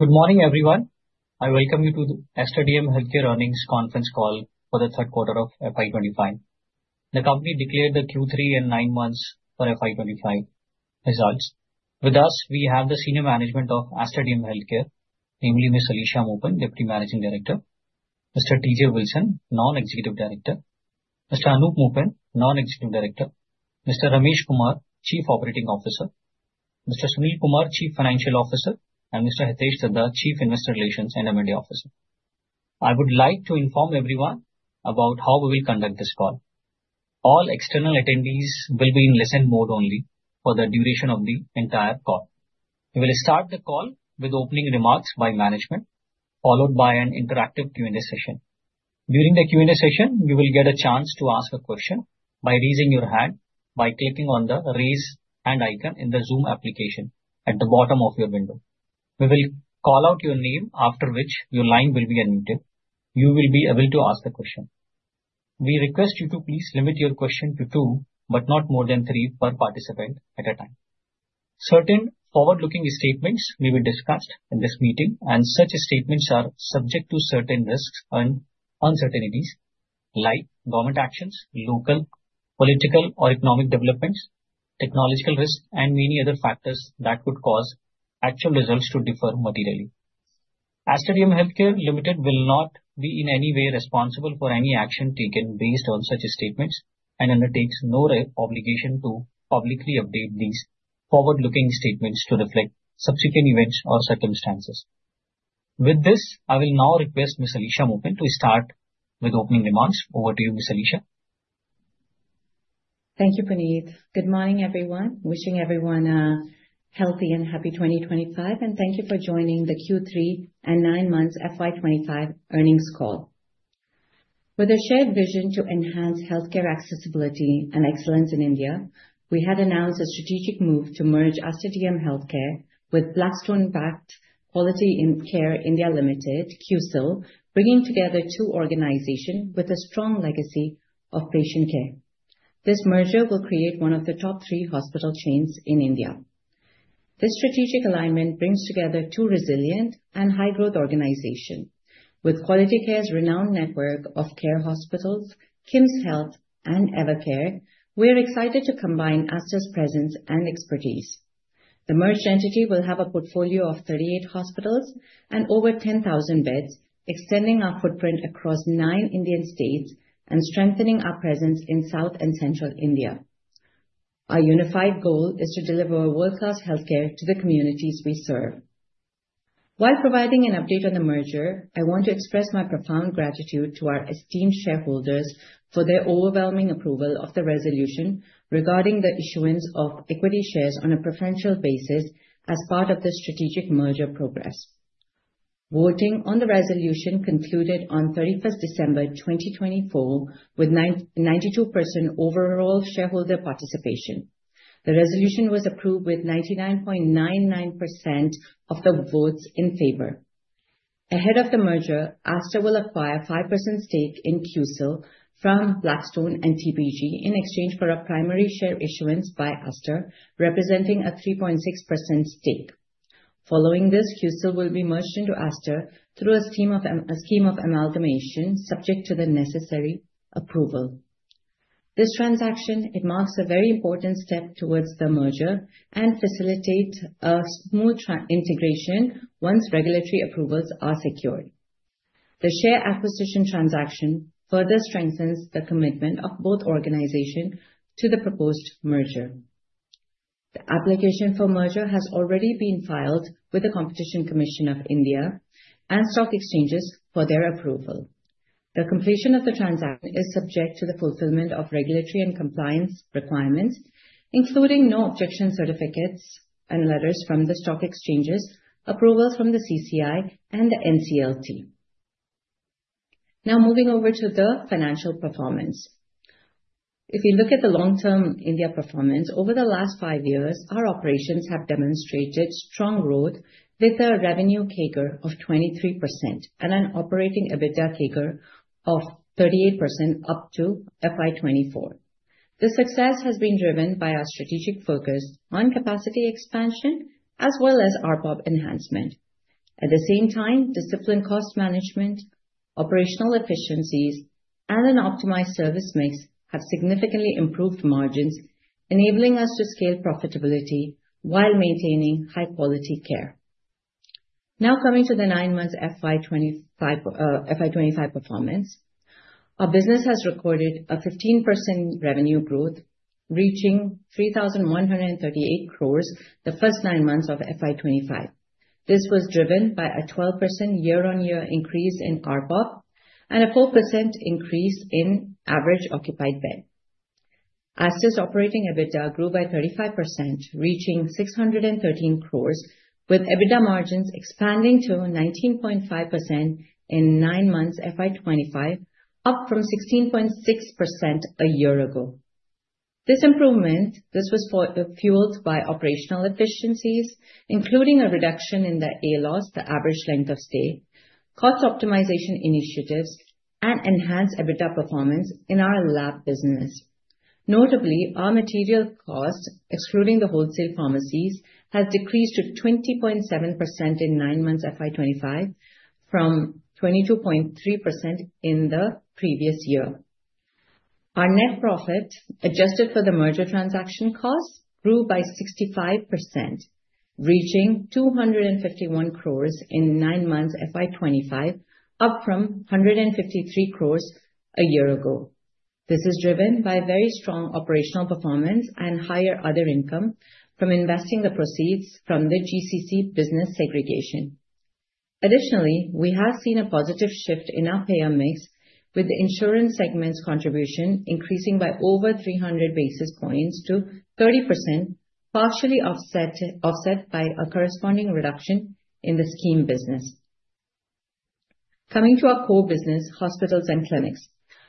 Good morning, everyone. I welcome you to the Aster DM Healthcare Earnings Conference call for the third quarter of FY25. The company declared the Q3 and nine months for FY25 results. With us, we have the senior management of Aster DM Healthcare, namely Ms. Alisha Moopen, Deputy Managing Director, Mr. T. J. Wilson, Non-Executive Director, Mr. Anoop Moopen, Non-Executive Director, Mr. Ramesh Kumar, Chief Operating Officer, Mr. Sunil Kumar, Chief Financial Officer, and Mr. Hitesh Dhaddha, Chief Investor Relations and M&A Officer. I would like to inform everyone about how we will conduct this call. All external attendees will be in listen mode only for the duration of the entire call. We will start the call with opening remarks by management, followed by an interactive Q&A session. During the Q&A session, you will get a chance to ask a question by raising your hand by clicking on the raise hand icon in the Zoom application at the bottom of your window. We will call out your name, after which your line will be unmuted. You will be able to ask a question. We request you to please limit your question to two, but not more than three per participant at a time. Certain forward-looking statements may be discussed in this meeting, and such statements are subject to certain risks and uncertainties, like government actions, local political or economic developments, technological risks, and many other factors that could cause actual results to differ materially. Aster DM Healthcare Limited will not be in any way responsible for any action taken based on such statements and undertakes no obligation to publicly update these forward-looking statements to reflect subsequent events or circumstances. With this, I will now request Ms. Alisha Moopen to start with opening remarks. Over to you, Ms. Alisha. Thank you, Puneet. Good morning, everyone. Wishing everyone a healthy and happy 2025, and thank you for joining the Q3 and nine months FY25 earnings call. With a shared vision to enhance healthcare accessibility and excellence in India, we had announced a strategic move to merge Aster DM Healthcare with Blackstone-backed Quality Care India Limited, QCIL, bringing together two organizations with a strong legacy of patient care. This merger will create one of the top three hospital chains in India. This strategic alignment brings together two resilient and high-growth organizations with Quality Care's renowned network of CARE Hospitals, KIMSHEALTH, and Evercare. We're excited to combine Aster's presence and expertise. The merged entity will have a portfolio of 38 hospitals and over 10,000 beds, extending our footprint across nine Indian states and strengthening our presence in South and Central India. Our unified goal is to deliver world-class healthcare to the communities we serve. While providing an update on the merger, I want to express my profound gratitude to our esteemed shareholders for their overwhelming approval of the resolution regarding the issuance of equity shares on a preferential basis as part of the strategic merger progress. Voting on the resolution concluded on 31st December 2024 with 92% overall shareholder participation. The resolution was approved with 99.99% of the votes in favor. Ahead of the merger, Aster will acquire a five percent stake in QCIL from Blackstone and TPG in exchange for a primary share issuance by Aster, representing a 3.6% stake. Following this, QCIL will be merged into Aster through a scheme of amalgamation subject to the necessary approval. This transaction marks a very important step towards the merger and facilitates a smooth integration once regulatory approvals are secured. The share acquisition transaction further strengthens the commitment of both organizations to the proposed merger. The application for merger has already been filed with the Competition Commission of India and stock exchanges for their approval. The completion of the transaction is subject to the fulfillment of regulatory and compliance requirements, including no objection certificates and letters from the stock exchanges, approvals from the CCI, and the NCLT. Now, moving over to the financial performance. If we look at the long-term India performance, over the last five years, our operations have demonstrated strong growth with a revenue CAGR of 23% and an operating EBITDA CAGR of 38% up to FY24. The success has been driven by our strategic focus on capacity expansion as well as ARPOB enhancement. At the same time, disciplined cost management, operational efficiencies, and an optimized service mix have significantly improved margins, enabling us to scale profitability while maintaining high-quality care. Now, coming to the nine months FY25 performance, our business has recorded a 15% revenue growth, reaching 3,138 crores in the first nine months of FY25. This was driven by a 12% year-on-year increase in ARPOB and a four percent increase in average occupied bed. Aster's operating EBITDA grew by 35%, reaching 613 crores, with EBITDA margins expanding to 19.5% in nine months FY25, up from 16.6% a year ago. This improvement was fueled by operational efficiencies, including a reduction in the ALOS, the average length of stay, cost optimization initiatives, and enhanced EBITDA performance in our lab business. Notably, our material cost, excluding the wholesale pharmacies, has decreased to 20.7% in nine months FY25 from 22.3% in the previous year. Our net profit, adjusted for the merger transaction costs, grew by 65%, reaching 251 crores in nine months FY25, up from 153 crores a year ago. This is driven by very strong operational performance and higher other income from investing the proceeds from the GCC business segregation. Additionally, we have seen a positive shift in our payer mix, with the insurance segment's contribution increasing by over 300 basis points to 30%, partially offset by a corresponding reduction in the scheme business. Coming to our core business, hospitals and clinics.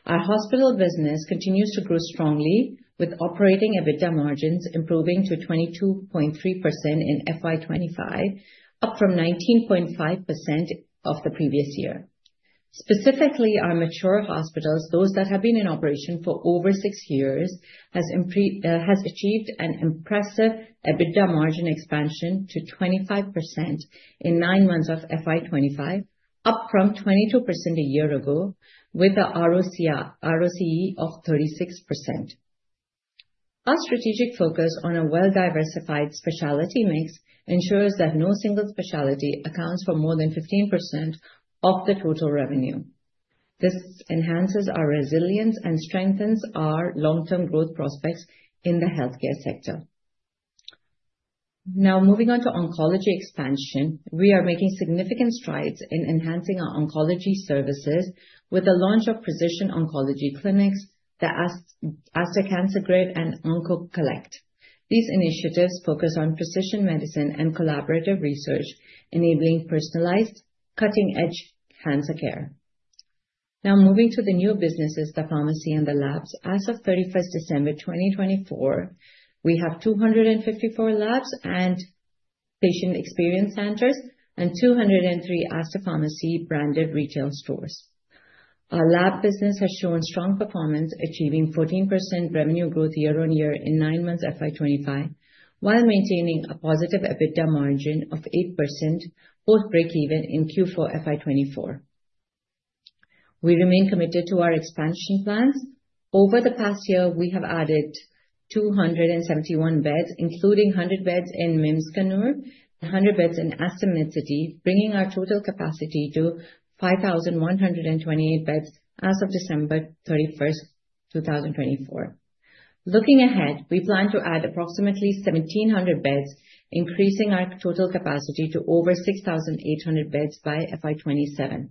Our hospital business continues to grow strongly, with operating EBITDA margins improving to 22.3% in FY25, up from 19.5% of the previous year. Specifically, our mature hospitals, those that have been in operation for over six years, have achieved an impressive EBITDA margin expansion to 25% in nine months of FY25, up from 22% a year ago, with an ROCE of 36%. Our strategic focus on a well-diversified specialty mix ensures that no single specialty accounts for more than 15% of the total revenue. This enhances our resilience and strengthens our long-term growth prospects in the healthcare sector. Now, moving on to oncology expansion, we are making significant strides in enhancing our oncology services with the launch of precision oncology clinics that has Aster Cancer Grid and Onco Collect. These initiatives focus on precision medicine and collaborative research, enabling personalized, cutting-edge cancer care. Now, moving to the new businesses, the pharmacy and the labs. As of 31st December 2024, we have 254 labs and patient experience centers and 203 Aster Pharmacy branded retail stores. Our lab business has shown strong performance, achieving 14% revenue growth year-on-year in nine months FY25, while maintaining a positive EBITDA margin of eight percent, both break-even in Q4 FY24. We remain committed to our expansion plans. Over the past year, we have added 271 beds, including 100 beds in MIMS Kannur and 100 beds in Aster Medcity, bringing our total capacity to 5,128 beds as of December 31st, 2024. Looking ahead, we plan to add approximately 1,700 beds, increasing our total capacity to over 6,800 beds by FY27.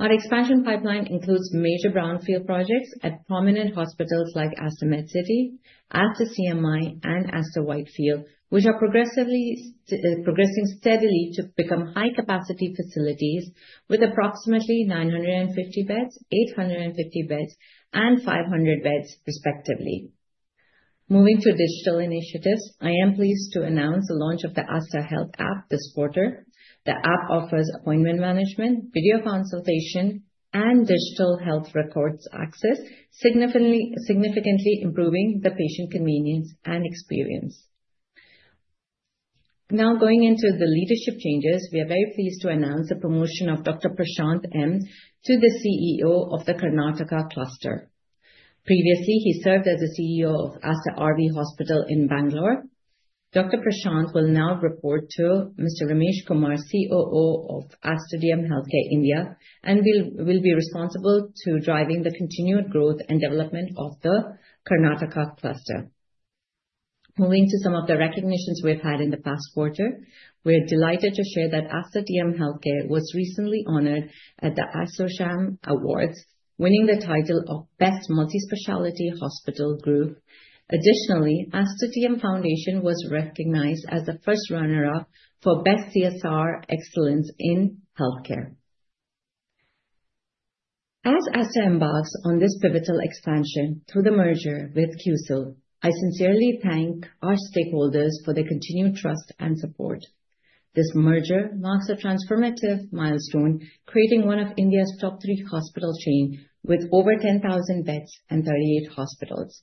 Our expansion pipeline includes major brownfield projects at prominent hospitals like Aster Medcity, Aster CMI, and Aster Whitefield, which are progressing steadily to become high-capacity facilities with approximately 950 beds, 850 beds, and 500 beds, respectively. Moving to digital initiatives, I am pleased to announce the launch of the Aster Health app this quarter. The app offers appointment management, video consultation, and digital health records access, significantly improving the patient convenience and experience. Now, going into the leadership changes, we are very pleased to announce the promotion of Dr. Prashanth N to the CEO of the Karnataka Cluster. Previously, he served as the CEO of Aster RV Hospital in Bengaluru. Dr. Prashanth N will now report to Mr. Ramesh Kumar, COO of Aster DM Healthcare India, and will be responsible for driving the continued growth and development of the Karnataka Cluster. Moving to some of the recognitions we've had in the past quarter, we're delighted to share that Aster DM Healthcare was recently honored at the ASSOCHAM Awards, winning the title of Best Multi-Specialty Hospital Group. Additionally, Aster DM Foundation was recognized as the first runner-up for Best CSR Excellence in Healthcare. As Aster embarks on this pivotal expansion through the merger with QCIL, I sincerely thank our stakeholders for their continued trust and support. This merger marks a transformative milestone, creating one of India's top three hospital chains with over 10,000 beds and 38 hospitals.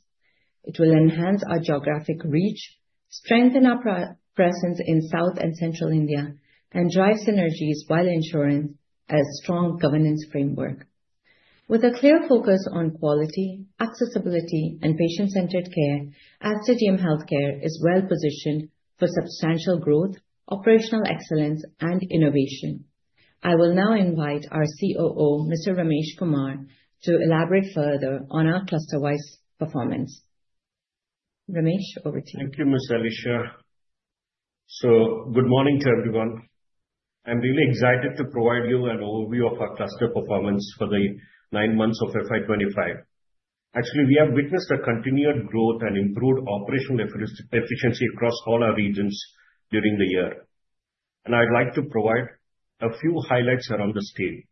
It will enhance our geographic reach, strengthen our presence in South and Central India, and drive synergies while ensuring a strong governance framework. With a clear focus on quality, accessibility, and patient-centered care, Aster DM Healthcare is well-positioned for substantial growth, operational excellence, and innovation. I will now invite our COO, Mr. Ramesh Kumar, to elaborate further on our cluster-wise performance. Ramesh, over to you. Thank you, Ms. Alisha, so good morning to everyone. I'm really excited to provide you an overview of our cluster performance for the nine months of FY25. Actually, we have witnessed a continued growth and improved operational efficiency across all our regions during the year, and I'd like to provide a few highlights around the state.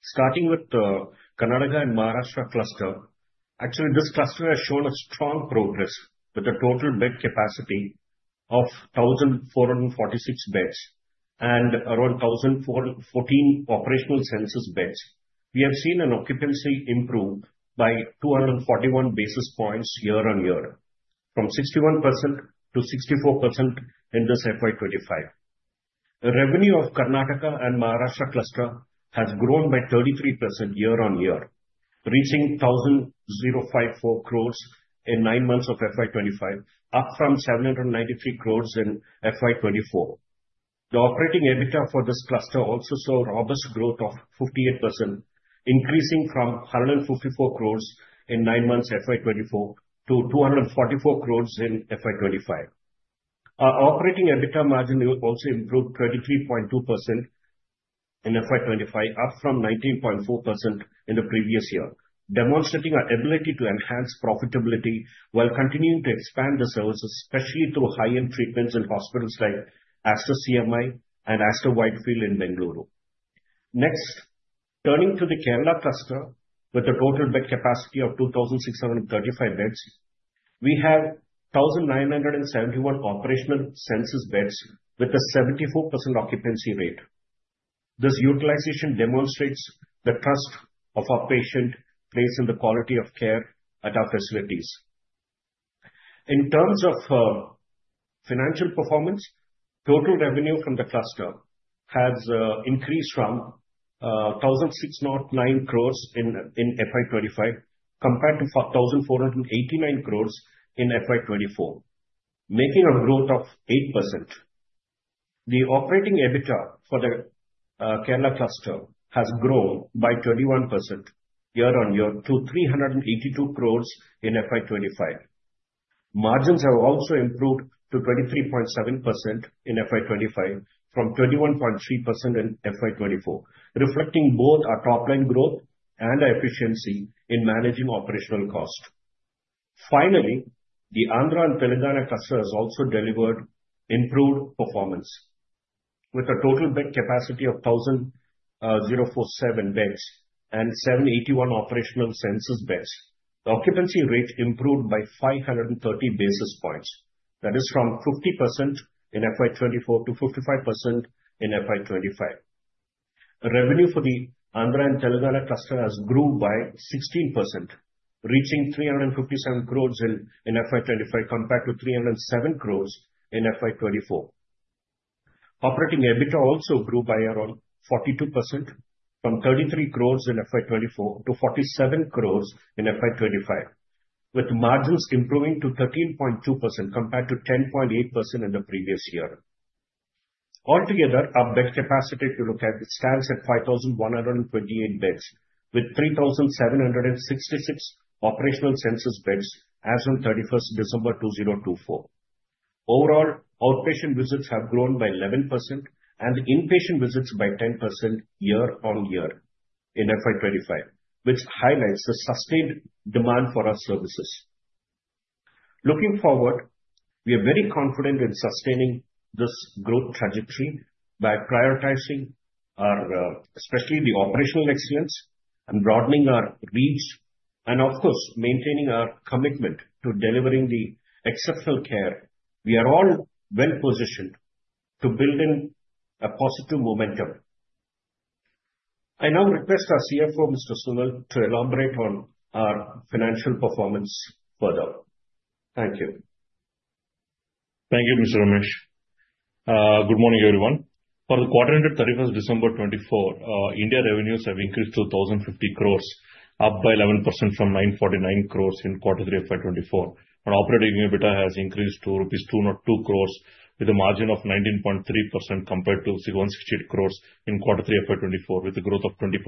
Starting with the Karnataka and Maharashtra cluster, actually, this cluster has shown strong progress with a total bed capacity of 1,446 beds and around 1,014 operational census beds. We have seen an occupancy improve by 241 basis points year-on-year, from 61%-64% in this FY25. The revenue of Karnataka and Maharashtra cluster has grown by 33% year-on-year, reaching 1,054 crores in nine months of FY25, up from 793 crores in FY24. The operating EBITDA for this cluster also saw robust growth of 58%, increasing from 154 crores in nine months FY24 to 244 crores in FY25. Our operating EBITDA margin also improved 23.2% in FY25, up from 19.4% in the previous year, demonstrating our ability to enhance profitability while continuing to expand the services, especially through high-end treatments in hospitals like Aster CMI and Aster Whitefield in Bengaluru. Next, turning to the Kerala cluster, with a total bed capacity of 2,635 beds, we have 1,971 operational census beds with a 74% occupancy rate. This utilization demonstrates the trust our patients place in the quality of care at our facilities. In terms of financial performance, total revenue from the cluster has increased from 1,489 crores in FY24 to 1,609 crores in FY25, making a growth of eight percent. The operating EBITDA for the Kerala cluster has grown by 21% year-on-year to 382 crores in FY25. Margins have also improved to 23.7% in FY25 from 21.3% in FY24, reflecting both our top-line growth and our efficiency in managing operational cost. Finally, the Andhra and Telangana cluster has also delivered improved performance. With a total bed capacity of 1,047 beds and 781 operational census beds, the occupancy rate improved by 530 basis points. That is from 50% in FY24 to 55% in FY25. Revenue for the Andhra and Telangana cluster has grew by 16%, reaching 357 crores in FY25 compared to 307 crores in FY24. Operating EBITDA also grew by around 42% from 33 crores in FY24 to 47 crores in FY25, with margins improving to 13.2% compared to 10.8% in the previous year. Altogether, our bed capacity, if you look at it, stands at 5,128 beds, with 3,766 operational census beds as of 31st December 2024. Overall, outpatient visits have grown by 11% and inpatient visits by 10% year-on-year in FY25, which highlights the sustained demand for our services. Looking forward, we are very confident in sustaining this growth trajectory by prioritizing our, especially the operational excellence, and broadening our reach, and of course, maintaining our commitment to delivering the exceptional care. We are all well-positioned to build in a positive momentum. I now request our CFO, Mr. Sunil, to elaborate on our financial performance further. Thank you. Thank you, Mr. Ramesh. Good morning, everyone. For the quarter-ended 31st December 2024, India revenues have increased to 1,050 crores, up by 11% from 949 crores in quarter-end FY24. Our operating EBITDA has increased to rupees 202 crores, with a margin of 19.3% compared to 168 crores in quarter-end FY24, with a growth of 20%.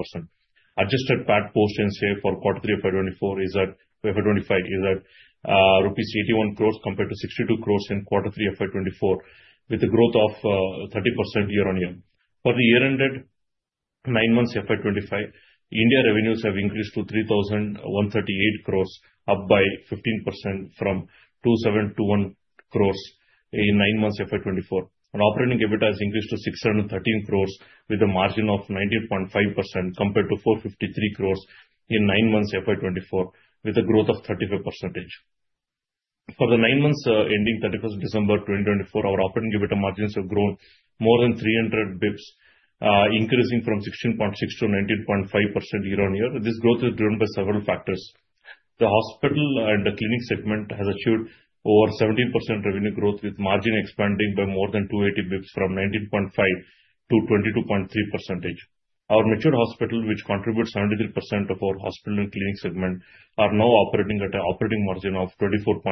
Adjusted PAT post NCI for quarter-end FY24 is at rupees 81 crores compared to 62 crores in quarter-end FY24, with a growth of 30% year-on-year. For the year-ended nine months FY25, India revenues have increased to 3,138 crores, up by 15% from 2,721 crores in nine months FY24. Our operating EBITDA has increased to 613 crores, with a margin of 19.5% compared to 453 crores in nine months FY24, with a growth of 35%. For the nine months ending 31st December 2024, our operating EBITDA margins have grown more than 300 basis points, increasing from 16.6%-19.5% year-on-year. This growth is driven by several factors. The hospital and the clinic segment has achieved over 17% revenue growth, with margin expanding by more than 280 basis points from 19.5%-22.3%. Our mature hospitals, which contribute 73% of our hospital and clinic segment, are now operating at an operating margin of 24.5%.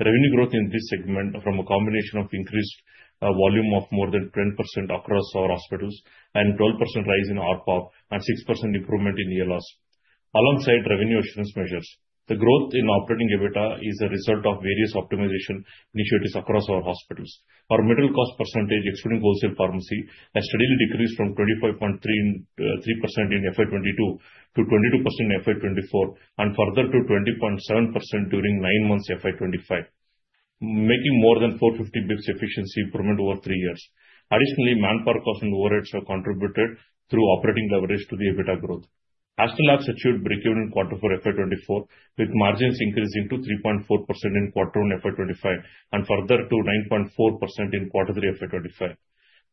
Revenue growth in this segment from a combination of increased volume of more than 10% across our hospitals and a 12% rise in ARPOB and a six percent improvement in ALOS, alongside revenue assurance measures. The growth in operating EBITDA is a result of various optimization initiatives across our hospitals. Our material cost percentage, excluding wholesale pharmacy, has steadily decreased from 25.3% in FY22 to 22% in FY24, and further to 20.7% during nine months FY25, making more than 450 basis points efficiency improvement over three years. Additionally, manpower costs and overheads have contributed through operating leverage to the EBITDA growth. Aster Labs achieved break-even in quarter-end FY24, with margins increasing to 3.4% in quarter-end FY25 and further to 9.4% in quarter-end FY25.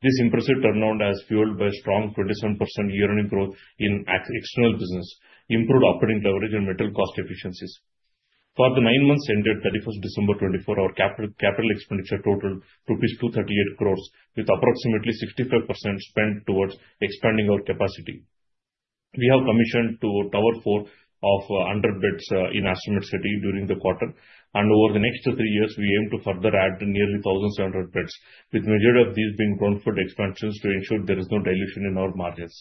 This impressive turnaround has fueled by a strong 27% year-on-year growth in external business, improved operating leverage, and material cost efficiencies. For the nine months ended 31st December 2024, our capital expenditure totaled rupees 238 crores, with approximately 65% spent towards expanding our capacity. We have commissioned Tower 4 of 100 beds in Aster Medcity during the quarter, and over the next three years, we aim to further add nearly 1,700 beds, with the majority of these being brownfield expansions to ensure there is no dilution in our margins.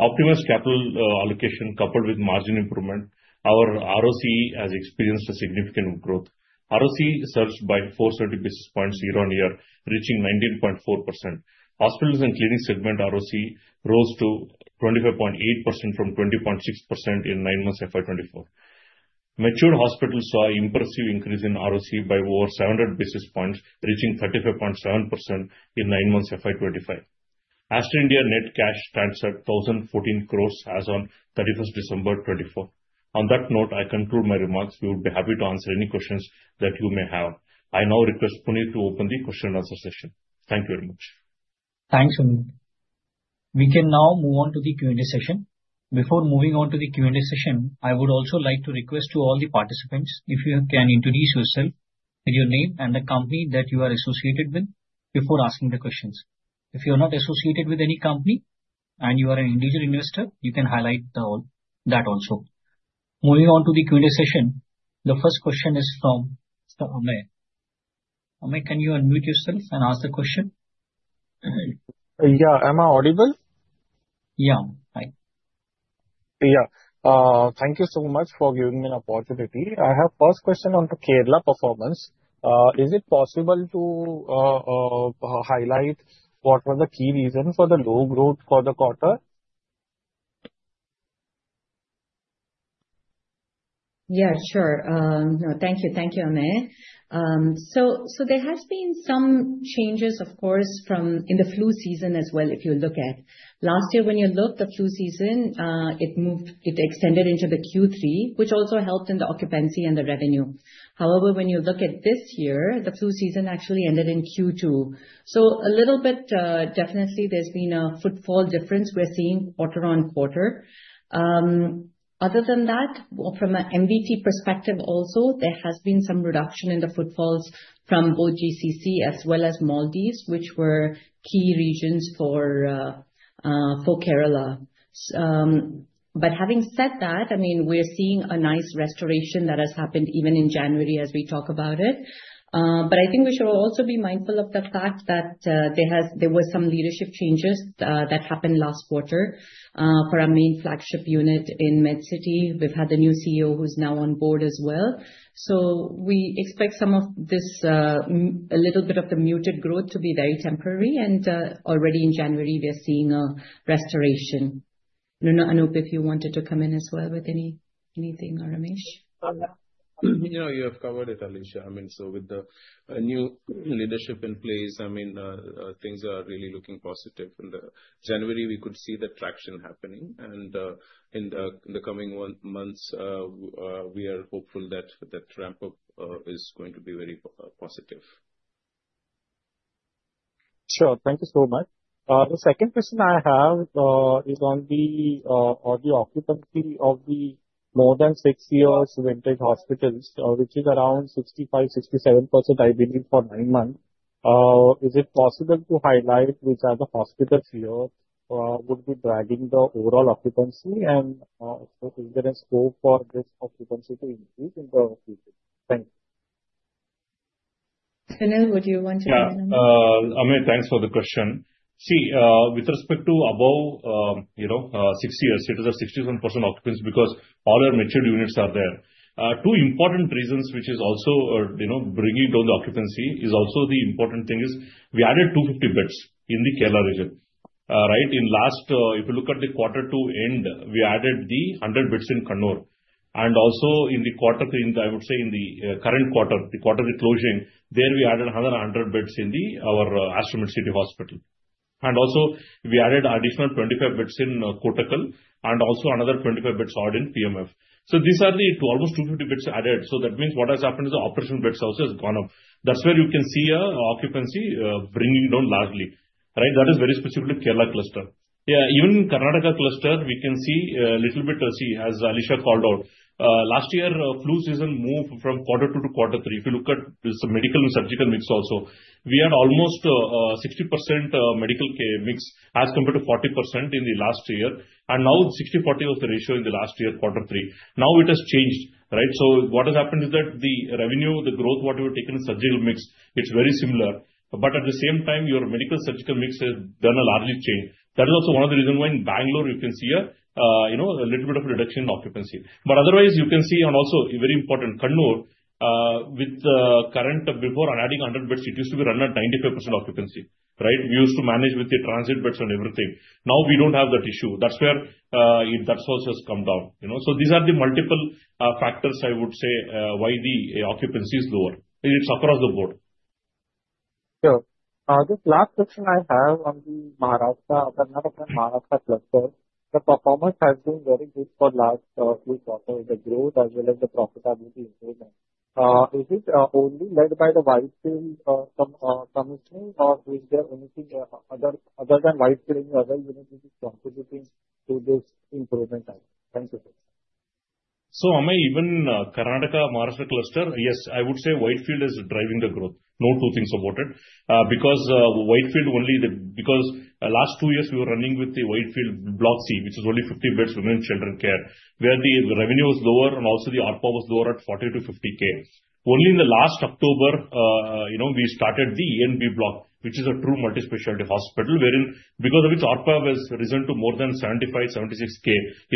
Optimized capital allocation coupled with margin improvement, our ROCE has experienced a significant growth. ROCE surged by 430 basis points year-on-year, reaching 19.4%. Hospitals and clinic segment ROCE rose to 25.8% from 20.6% in nine months FY 2024. Matured hospitals saw an impressive increase in ROCE by over 700 basis points, reaching 35.7% in nine months FY 2025. Aster India net cash stands at 1,014 crores as of 31st December 2024. On that note, I conclude my remarks. We would be happy to answer any questions that you may have. I now request Puneet to open the question-and-answer session. Thank you very much. Thanks, Sunil. We can now move on to the Q&A session. Before moving on to the Q&A session, I would also like to request all the participants if you can introduce yourself with your name and the company that you are associated with before asking the questions. If you are not associated with any company and you are an individual investor, you can highlight that also. Moving on to the Q&A session, the first question is from Amey. Amey, can you unmute yourself and ask the question? Yeah, am I audible? Yeah, right. Yeah. Thank you so much for giving me an opportunity. I have a first question on the Kerala performance. Is it possible to highlight what were the key reasons for the low growth for the quarter? Yeah, sure. No, thank you. Thank you, Amey. So there have been some changes, of course, in the flu season as well, if you look at last year. When you look at the flu season, it extended into Q3, which also helped in the occupancy and the revenue. However, when you look at this year, the flu season actually ended in Q2. So a little bit, definitely, there's been a footfall difference we're seeing quarter on quarter. Other than that, from an MVT perspective also, there has been some reduction in the footfalls from both GCC as well as Maldives, which were key regions for Kerala. But having said that, I mean, we're seeing a nice restoration that has happened even in January as we talk about it. But I think we should also be mindful of the fact that there were some leadership changes that happened last quarter for our main flagship unit in Medcity. We've had the new CEO who's now on board as well. So we expect some of this, a little bit of the muted growth to be very temporary. And already in January, we are seeing a restoration. Anoop, if you wanted to come in as well with anything or Ramesh? You know, you have covered it, Alisha. I mean, so with the new leadership in place, I mean, things are really looking positive. In January, we could see the traction happening, and in the coming months, we are hopeful that that ramp-up is going to be very positive. Sure. Thank you so much. The second question I have is on the occupancy of the more-than-six-year-old vintage hospitals, which is around 65%-67% I believe for nine months. Is it possible to highlight which are the hospitals here that would be dragging the overall occupancy? And is there a scope for this occupancy to increase in the future? Thank you. Sunil, would you want to add anything? Amey, thanks for the question. See, with respect to above six years, it is a 67% occupancy because all our matured units are there. Two important reasons, which is also bringing down the occupancy, is also the important thing is we added 250 beds in the Kerala region, right? In last, if you look at the quarter-end, we added the 100 beds in Kannur. And also in the quarter, I would say in the current quarter, the quarter-end closing, there we added another 100 beds in our Aster Medcity Hospital. And also we added additional 25 beds in Kottakkal and also another 25 beds added in PMF. So these are the almost 250 beds added. So that means what has happened is the operational bed sources have gone up. That's where you can see occupancy bringing down largely, right? That is very specifically Kerala cluster. Yeah, even in Karnataka cluster, we can see a little bit, see, as Alisha called out, last year, flu season moved from quarter two to quarter three. If you look at the medical and surgical mix also, we had almost 60% medical mix as compared to 40% in the last year. And now 60%-40% was the ratio in the last year, quarter three. Now it has changed, right? So what has happened is that the revenue, the growth, what we've taken in surgical mix, it's very similar. But at the same time, your medical surgical mix has done a large change. That is also one of the reasons why in Bengaluru, you can see a little bit of a reduction in occupancy. But otherwise, you can see, and also very important, Kannur, with the current before on adding 100 beds, it used to be run at 95% occupancy, right? We used to manage with the transit beds and everything. Now we don't have that issue. That's where that source has come down. So these are the multiple factors, I would say, why the occupancy is lower. It's across the board. Sure. This last question I have on the Karnataka and Maharashtra cluster, the performance has been very good for the last few quarters, the growth as well as the profitability improvement. Is it only led by the Whitefield commissioning, or is there anything other than Whitefield, any other unit which is contributing to this improvement? Thank you. Amey, even Karnataka Maharashtra cluster, yes, I would say Whitefield is driving the growth. No two ways about it. Because Whitefield only, because last two years, we were running with the Whitefield block C, which is only 50 beds women and children care, where the revenue was lower and also the ARPOB was lower at INR 40-INR 50K. Only in the last October, we started the A and B block, which is a true multi-specialty hospital, wherein because of which ARPOB has risen to more than 75-76K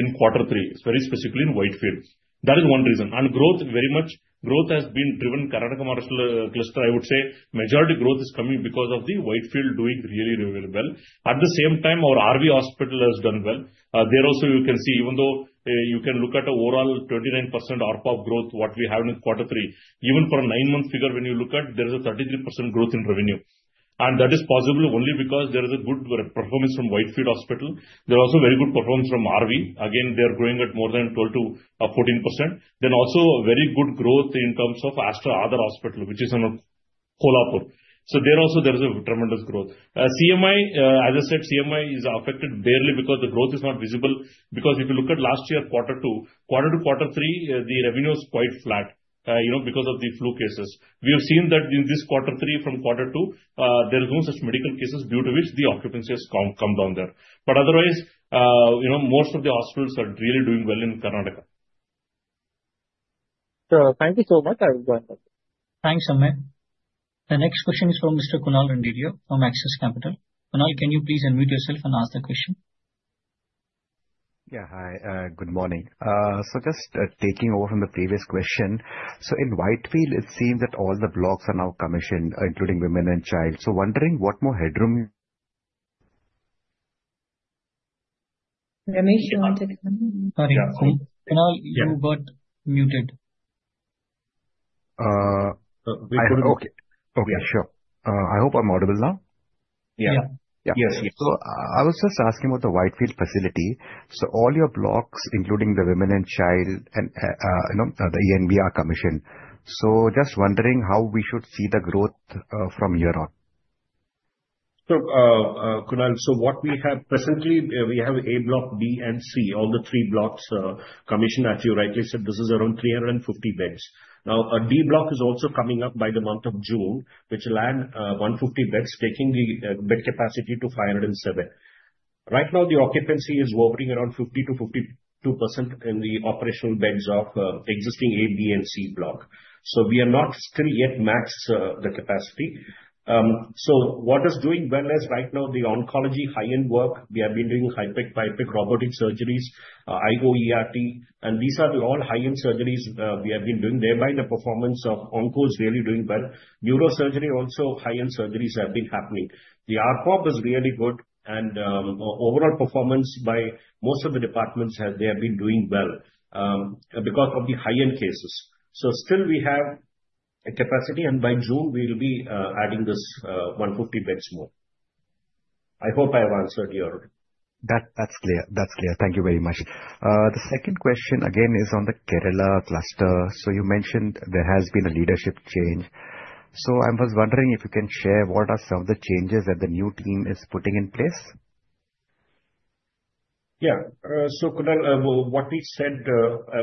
in quarter three, very specifically in Whitefield. That is one reason. Growth very much, growth has been driven Karnataka and Maharashtra cluster, I would say majority growth is coming because of the Whitefield doing really well. At the same time, our RV Hospital has done well. There also, you can see, even though you can look at an overall 29% ARPOB growth, what we have in quarter three, even for a nine-month figure, when you look at, there is a 33% growth in revenue. And that is possible only because there is a good performance from Whitefield Hospital. There is also very good performance from RV. Again, they are growing at more than 12%-14%. Then also very good growth in terms of Aster Aadhar Hospital, which is in Kolhapur. So there also, there is a tremendous growth. CMI, as I said, CMI is affected barely because the growth is not visible. Because if you look at last year quarter two, quarter two to quarter three, the revenue was quite flat because of the flu cases. We have seen that in this quarter three from quarter two, there is no such medical cases due to which the occupancy has come down there, but otherwise, most of the hospitals are really doing well in Karnataka. Sure. Thank you so much. I will go ahead. Thanks, Amey. The next question is from Mr. Kunal Randeria from Axis Capital. Kunal, can you please unmute yourself and ask the question? Yeah, hi. Good morning. So just taking over from the previous question. So in Whitefield, it seems that all the blocks are now commissioned, including women and child. So wondering what more headroom you... Ramesh, do you want to come in? Sorry. Kunal, you got muted. Okay. Okay, sure. I hope I'm audible now. Yeah. Yeah. Yes, so I was just asking about the Whitefield facility. So all your blocks, including the women and child and the ENB are commissioned. So just wondering how we should see the growth from here on. Kunal, so what we have presently, we have A block, B, and C, all the three blocks commissioned, as you rightly said. This is around 350 beds. Now, a D block is also coming up by the month of June, which will add 150 beds, taking the bed capacity to 507. Right now, the occupancy is wobbling around 50%-52% in the operational beds of existing A, B, and C block. So we are not still yet maxed the capacity. So what is doing well is right now the oncology high-end work. We have been doing HIPEC, PIPAC robotic surgeries, IOERT, and these are all high-end surgeries we have been doing. Thereby, the performance of onco is really doing well. Neurosurgery, also high-end surgeries have been happening. The ARPOB is really good, and overall performance by most of the departments, they have been doing well because of the high-end cases. So still, we have capacity, and by June, we will be adding this 150 beds more. I hope I have answered your... That's clear. That's clear. Thank you very much. The second question again is on the Kerala cluster. So you mentioned there has been a leadership change. So I was wondering if you can share what are some of the changes that the new team is putting in place? Yeah. So Kunal, what we said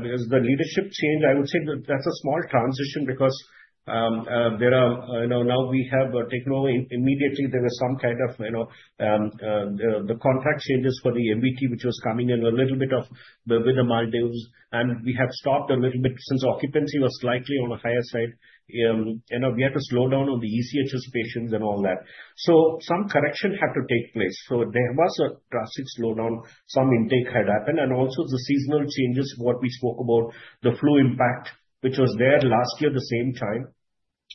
is the leadership change. I would say that's a small transition because now we have taken over immediately. There was some kind of the contract changes for the MVT, which was coming in a little bit with the Maldives. And we have stopped a little bit since occupancy was slightly on the higher side. We had to slow down on the ECHS patients and all that. So some correction had to take place. So there was a drastic slowdown. Some intake had happened. And also the seasonal changes, what we spoke about, the flu impact, which was there last year at the same time.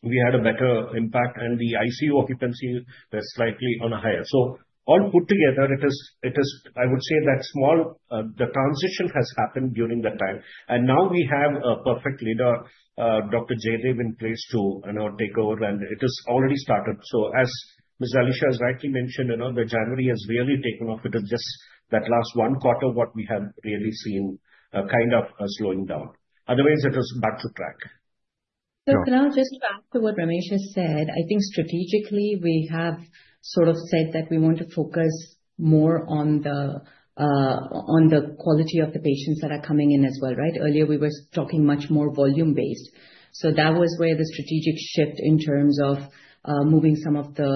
We had a better impact. And the ICU occupancy was slightly on a higher. So all put together, it is, I would say that small, the transition has happened during that time. And now we have a perfect leader, Dr. Jay, in place to take over, and it has already started. So as Ms. Alisha has rightly mentioned, the January has really taken off. It is just that last one quarter what we have really seen kind of slowing down. Otherwise, it is back to track. So Kunal, just to add to what Ramesh has said, I think strategically, we have sort of said that we want to focus more on the quality of the patients that are coming in as well, right? Earlier, we were talking much more volume-based. So that was where the strategic shift in terms of moving some of the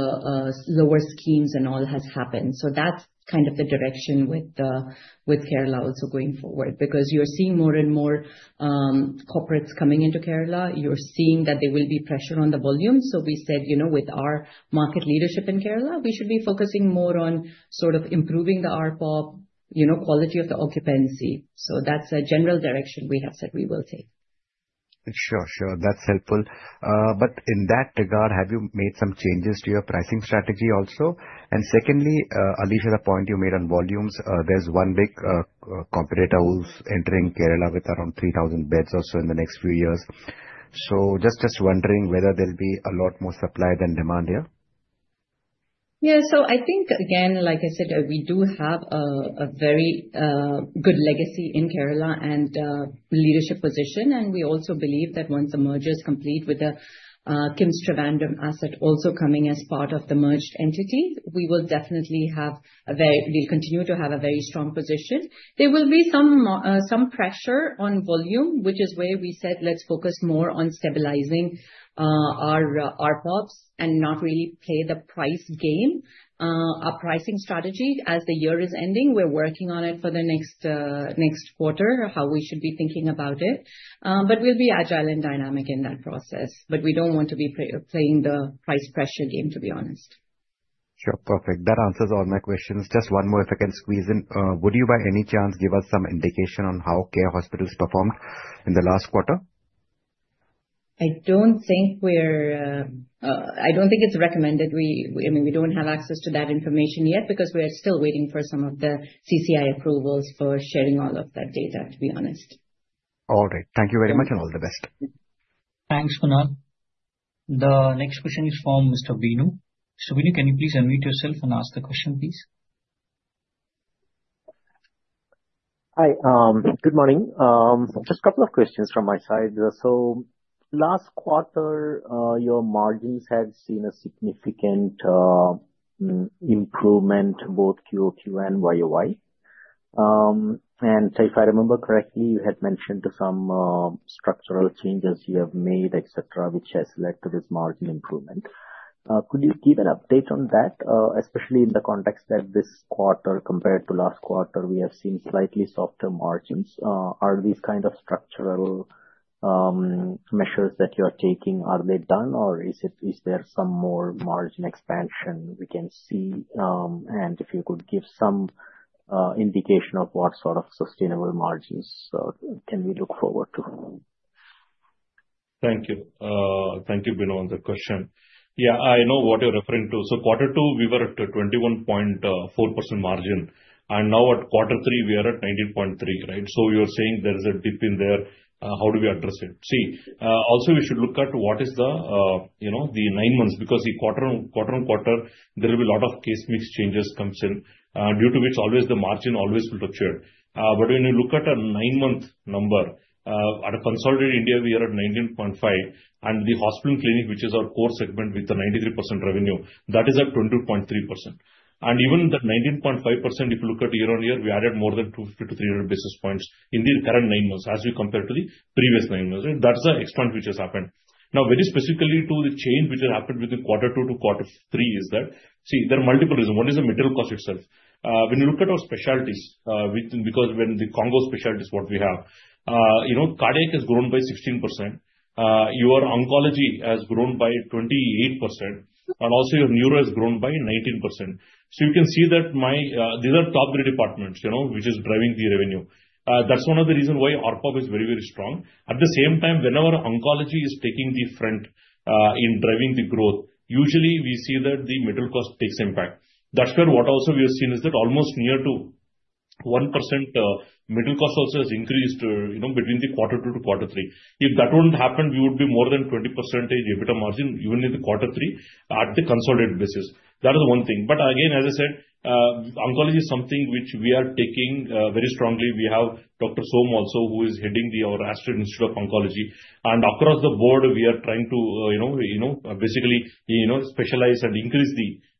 lower schemes and all has happened. So that's kind of the direction with Kerala also going forward because you're seeing more and more corporates coming into Kerala. You're seeing that there will be pressure on the volume. So we said with our market leadership in Kerala, we should be focusing more on sort of improving the ARPOB, quality of the occupancy. So that's a general direction we have said we will take. Sure, sure. That's helpful. But in that regard, have you made some changes to your pricing strategy also? And secondly, Alisha, the point you made on volumes, there's one big competitor who's entering Kerala with around 3,000 beds also in the next few years. So just wondering whether there'll be a lot more supply than demand here? Yeah. So I think, again, like I said, we do have a very good legacy in Kerala and leadership position. And we also believe that once the merger is complete with the KIMS Trivandrum asset also coming as part of the merged entity, we will definitely have a very strong position. We'll continue to have a very strong position. There will be some pressure on volume, which is where we said, let's focus more on stabilizing our ARPOBs and not really play the price game. Our pricing strategy, as the year is ending, we're working on it for the next quarter, how we should be thinking about it. But we'll be agile and dynamic in that process. But we don't want to be playing the price pressure game, to be honest. Sure. Perfect. That answers all my questions. Just one more, if I can squeeze in, would you by any chance give us some indication on how CARE Hospitals performed in the last quarter? I don't think it's recommended. I mean, we don't have access to that information yet because we are still waiting for some of the CCI approvals for sharing all of that data, to be honest. All right. Thank you very much and all the best. Thanks, Kunal. The next question is from Mr. Veenu. Mr. Veenu, can you please unmute yourself and ask the question, please? Hi. Good morning. Just a couple of questions from my side. So last quarter, your margins had seen a significant improvement, both QOQ and YOY. And if I remember correctly, you had mentioned some structural changes you have made, etc., which has led to this margin improvement. Could you give an update on that, especially in the context that this quarter compared to last quarter, we have seen slightly softer margins? Are these kind of structural measures that you are taking, are they done, or is there some more margin expansion we can see? And if you could give some indication of what sort of sustainable margins can we look forward to? Thank you. Thank you, Veenu, for the question. Yeah, I know what you're referring to. So quarter two, we were at 21.4% margin. And now at quarter three, we are at 19.3%, right? So you're saying there is a dip in there. How do we address it? See, also we should look at what is the nine months because quarter on quarter, there will be a lot of case mix changes comes in, due to which always the margin always will return. But when you look at a nine-month number, at a consolidated India, we are at 19.5%. And the hospital and clinic, which is our core segment with the 93% revenue, that is at 22.3%. And even the 19.5%, if you look at year-on-year, we added more than 250-300 basis points in the current nine months as we compare to the previous nine months. That's the expansion which has happened. Now, very specifically to the change which has happened with the quarter two to quarter three is that, see, there are multiple reasons. One is the material cost itself. When you look at our specialties, because in the oncology specialties, what we have, cardiac has grown by 16%. Your oncology has grown by 28%, and also your neuro has grown by 19%. So you can see that these are top three departments, which is driving the revenue. That's one of the reasons why ARPOB is very, very strong. At the same time, whenever oncology is taking the front in driving the growth, usually we see that the material cost takes impact. That's where what also we have seen is that almost near to one percent, material cost also has increased between the quarter two to quarter three. If that wouldn't happen, we would be more than 20% EBITDA margin, even in the quarter three at the consolidated basis. That is one thing, but again, as I said, oncology is something which we are taking very strongly. We have Dr. Somashekhar also who is heading our Aster Institute of Oncology. And across the board, we are trying to basically specialize and increase the oncology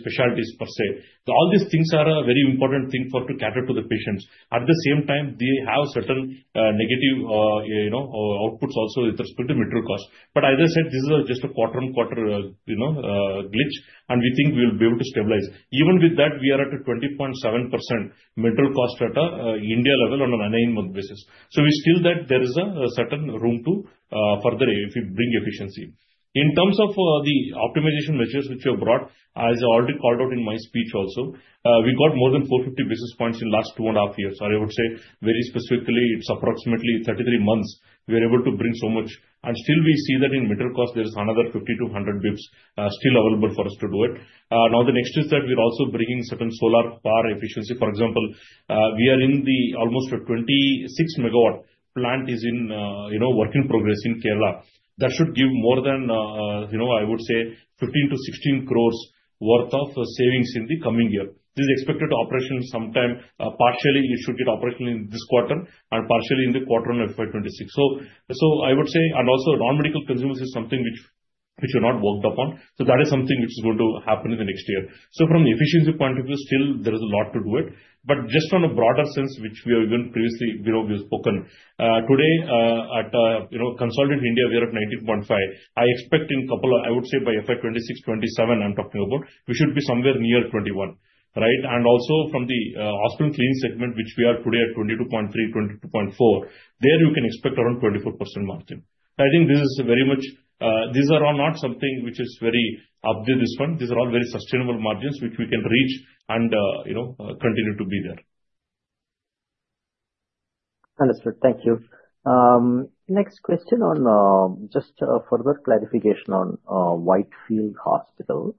specialties per se, so all these things are a very important thing for to cater to the patients. At the same time, they have certain negative outputs also with respect to medical cost, but as I said, this is just a quarter-on-quarter glitch, and we think we will be able to stabilize. Even with that, we are at a 20.7% medical cost at a India level on an nine-month basis. So we still see that there is a certain room to further if we bring efficiency. In terms of the optimization measures which we have brought, as I already called out in my speech also, we got more than 450 basis points in the last two and a half years. I would say very specifically, it is approximately 33 months we are able to bring so much. And still, we see that in material cost, there is another 50-100 bips still available for us to do it. Now, the next is that we are also bringing certain solar power efficiency. For example, we have almost a 26-megawatt plant that is in work in progress in Kerala. That should give more than, I would say, 15-16 crores worth of savings in the coming year. This is expected to be operational sometime partially. It should get operational in this quarter and partially in the quarter on FY26. So I would say, and also non-medical consumables is something which we have not worked upon. So that is something which is going to happen in the next year. So from the efficiency point of view, still, there is a lot to do it. But just on a broader sense, which we have even previously spoken today at consolidated India, we are at 19.5%. I expect in a couple of, I would say by FY26-FY27, I'm talking about, we should be somewhere near 21%, right? And also from the hospital and clinic segment, which we are today at 22.3%-22.4%, there you can expect around 24% margin. I think this is very much these are not something which is very updated this one. These are all very sustainable margins which we can reach and continue to be there. Understood. Thank you. Next question on just further clarification on Whitefield Hospital.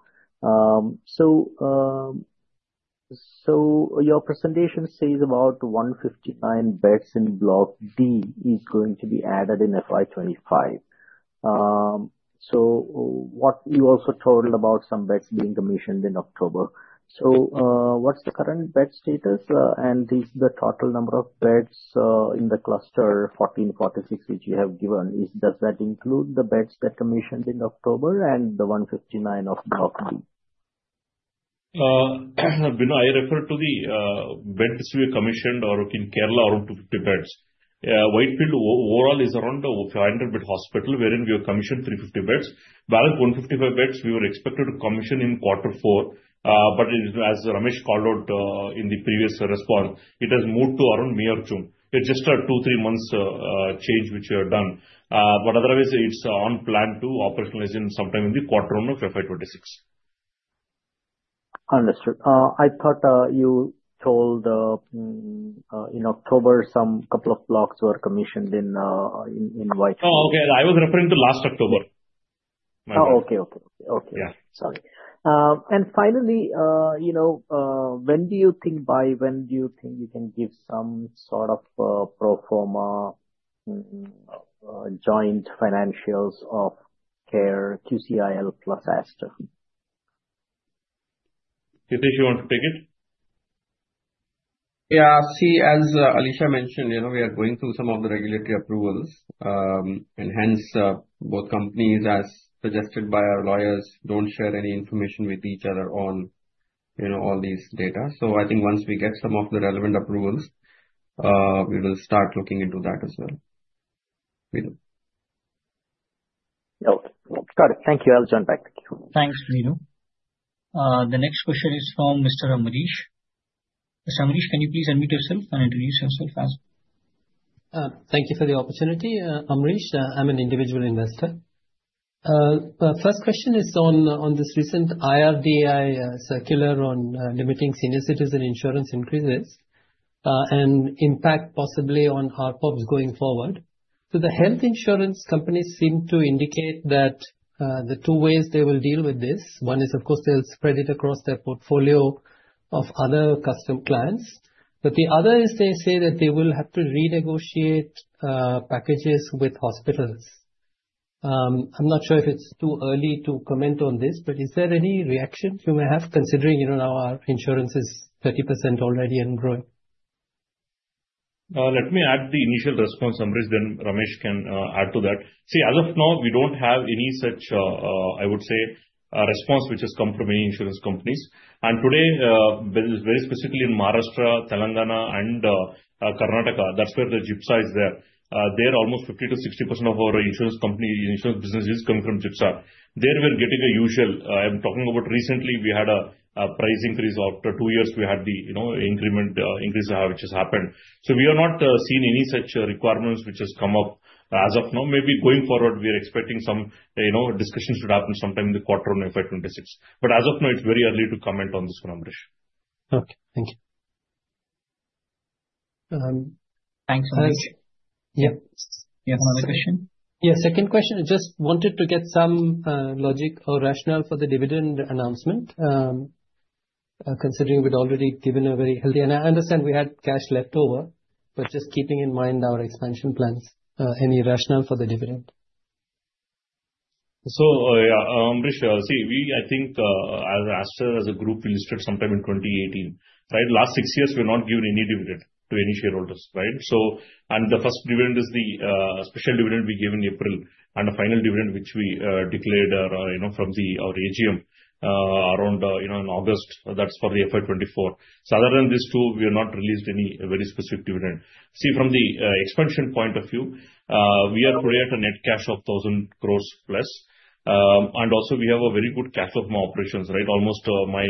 So your presentation says about 159 beds in Block D is going to be added in FY25. So you also told about some beds being commissioned in October. So what's the current bed status? And is the total number of beds in the cluster 1,446 which you have given? Does that include the beds that commissioned in October and the 159 of Block D? Veenu, I referred to the beds we commissioned in Kerala around 250 beds. Whitefield overall is around 500 bed hospital, wherein we have commissioned 350 beds. Balance 155 beds we were expected to commission in quarter four. But as Ramesh called out in the previous response, it has moved to around May or June. It's just a two, three months change which we have done. But otherwise, it's on plan to operationalize sometime in the quarter one of FY26. Understood. I thought you told in October some couple of blocks were commissioned in Whitefield. Oh, okay. I was referring to last October. Sorry. And finally, when do you think by when do you think you can give some sort of pro forma joint financials of CARE QCIL plus Aster? Hitesh, you want to take it? Yeah. See, as Alisha mentioned, we are going through some of the regulatory approvals, and hence, both companies, as suggested by our lawyers, don't share any information with each other on all these data, so I think once we get some of the relevant approvals, we will start looking into that as well. Okay. Got it. Thank you. I'll jump back. Thank you. Thanks, Veenu. The next question is from Mr. Amrish. Mr. Amrish, can you please unmute yourself and introduce yourself as well? Thank you for the opportunity, Amrish. I'm an individual investor. First question is on this recent IRDA Circular on limiting senior citizen insurance increases and impact possibly on ARPOBs going forward. So the health insurance companies seem to indicate that the two ways they will deal with this, one is, of course, they'll spread it across their portfolio of other custom clients. But the other is they say that they will have to renegotiate packages with hospitals. I'm not sure if it's too early to comment on this, but is there any reaction you may have considering now our insurance is 30% already and growing? Let me add the initial response, Amrish, then Ramesh can add to that. See, as of now, we don't have any such, I would say, response which has come from any insurance companies. And today, very specifically in Maharashtra, Telangana, and Karnataka, that's where the GIPSA is there. There, almost 50%-60% of our insurance company insurance business is coming from GIPSA. There we're getting a usual. I'm talking about recently, we had a price increase. After two years, we had the increase which has happened. So we are not seeing any such requirements which has come up as of now. Maybe going forward, we are expecting some discussions to happen sometime in the quarter on FY26. But as of now, it's very early to comment on this one, Amrish. Okay. Thank you. Thanks, Amrish. Yeah. Yes, another question? Yeah, second question. Just wanted to get some logic or rationale for the dividend announcement, considering we'd already given a very healthy and I understand we had cash leftover, but just keeping in mind our expansion plans, any rationale for the dividend? Yeah, Amrish, see, I think as Aster as a group we listed sometime in 2018, right? Last six years, we're not giving any dividend to any shareholders, right? And the first dividend is the special dividend we gave in April and the final dividend which we declared from our AGM around in August. That's for the FY24. So other than these two, we have not released any very specific dividend. See, from the expansion point of view, we are today at a net cash of 1,000 crores plus. And also, we have a very good cash flow from operations, right? Almost my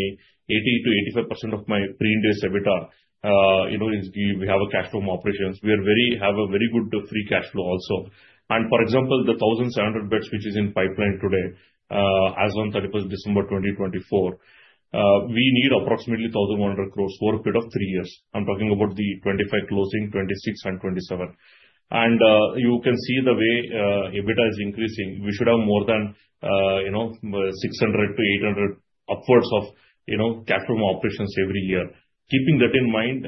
80%-85% of my pre-indicated EBITDA, we have a cash flow from operations. We have a very good free cash flow also. For example, the 1,700 beds which is in pipeline today, as of 31st December 2024, we need approximately 1,100 crores for a period of three years. I'm talking about the 25 closing, 26, and 27. You can see the way EBITDA is increasing. We should have more than 600-800 upwards of cash flow from operations every year. Keeping that in mind,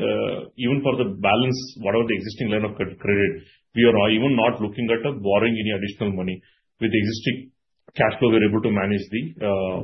even for the balance, whatever the existing line of credit, we are even not looking at borrowing any additional money. With existing cash flow, we're able to manage the,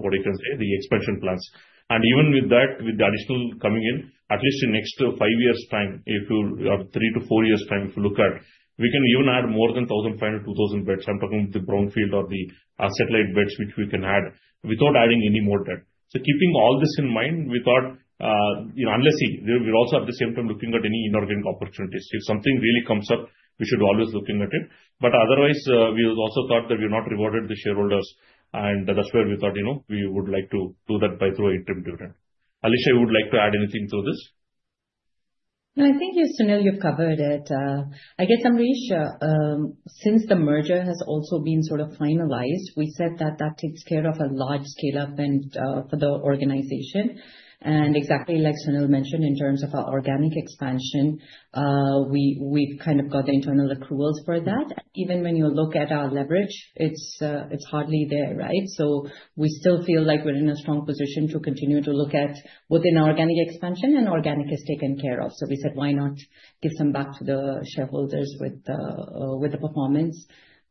what you can say, the expansion plans. Even with that, with the additional coming in, at least in next five years' time, if you have three to four years' time, if you look at, we can even add more than 1,500, 2,000 beds. I'm talking about the brownfield or the satellite beds which we can add without adding any more debt. So keeping all this in mind, we thought, unless we're also at the same time looking at any inorganic opportunities. If something really comes up, we should always look at it. But otherwise, we also thought that we're not rewarded the shareholders. And that's where we thought we would like to do that by through interim dividend. Alisha, you would like to add anything to this? No, I think you, Sunil, you've covered it. I guess, Amrish, since the merger has also been sort of finalized, we said that that takes care of a large scale-up for the organization and exactly like Sunil mentioned, in terms of our organic expansion, we've kind of got the internal accruals for that. Even when you look at our leverage, it's hardly there, right, so we still feel like we're in a strong position to continue to look at both in our organic expansion and organic is taken care of, so we said, why not give some back to the shareholders with the performance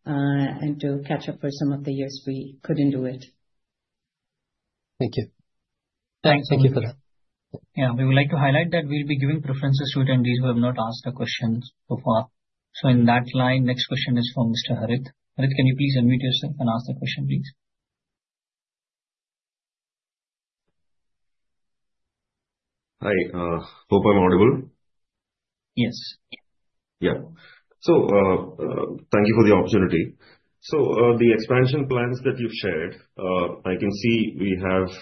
and to catch up for some of the years we couldn't do it? Thank you. Thank you for that. Yeah, we would like to highlight that we'll be giving preferences to attendees who have not asked the questions so far. So in that line, next question is from Mr. Harith. Harith, can you please unmute yourself and ask the question, please? Hi. Hope I'm audible? Yes. Yeah. So thank you for the opportunity. So the expansion plans that you've shared, I can see we have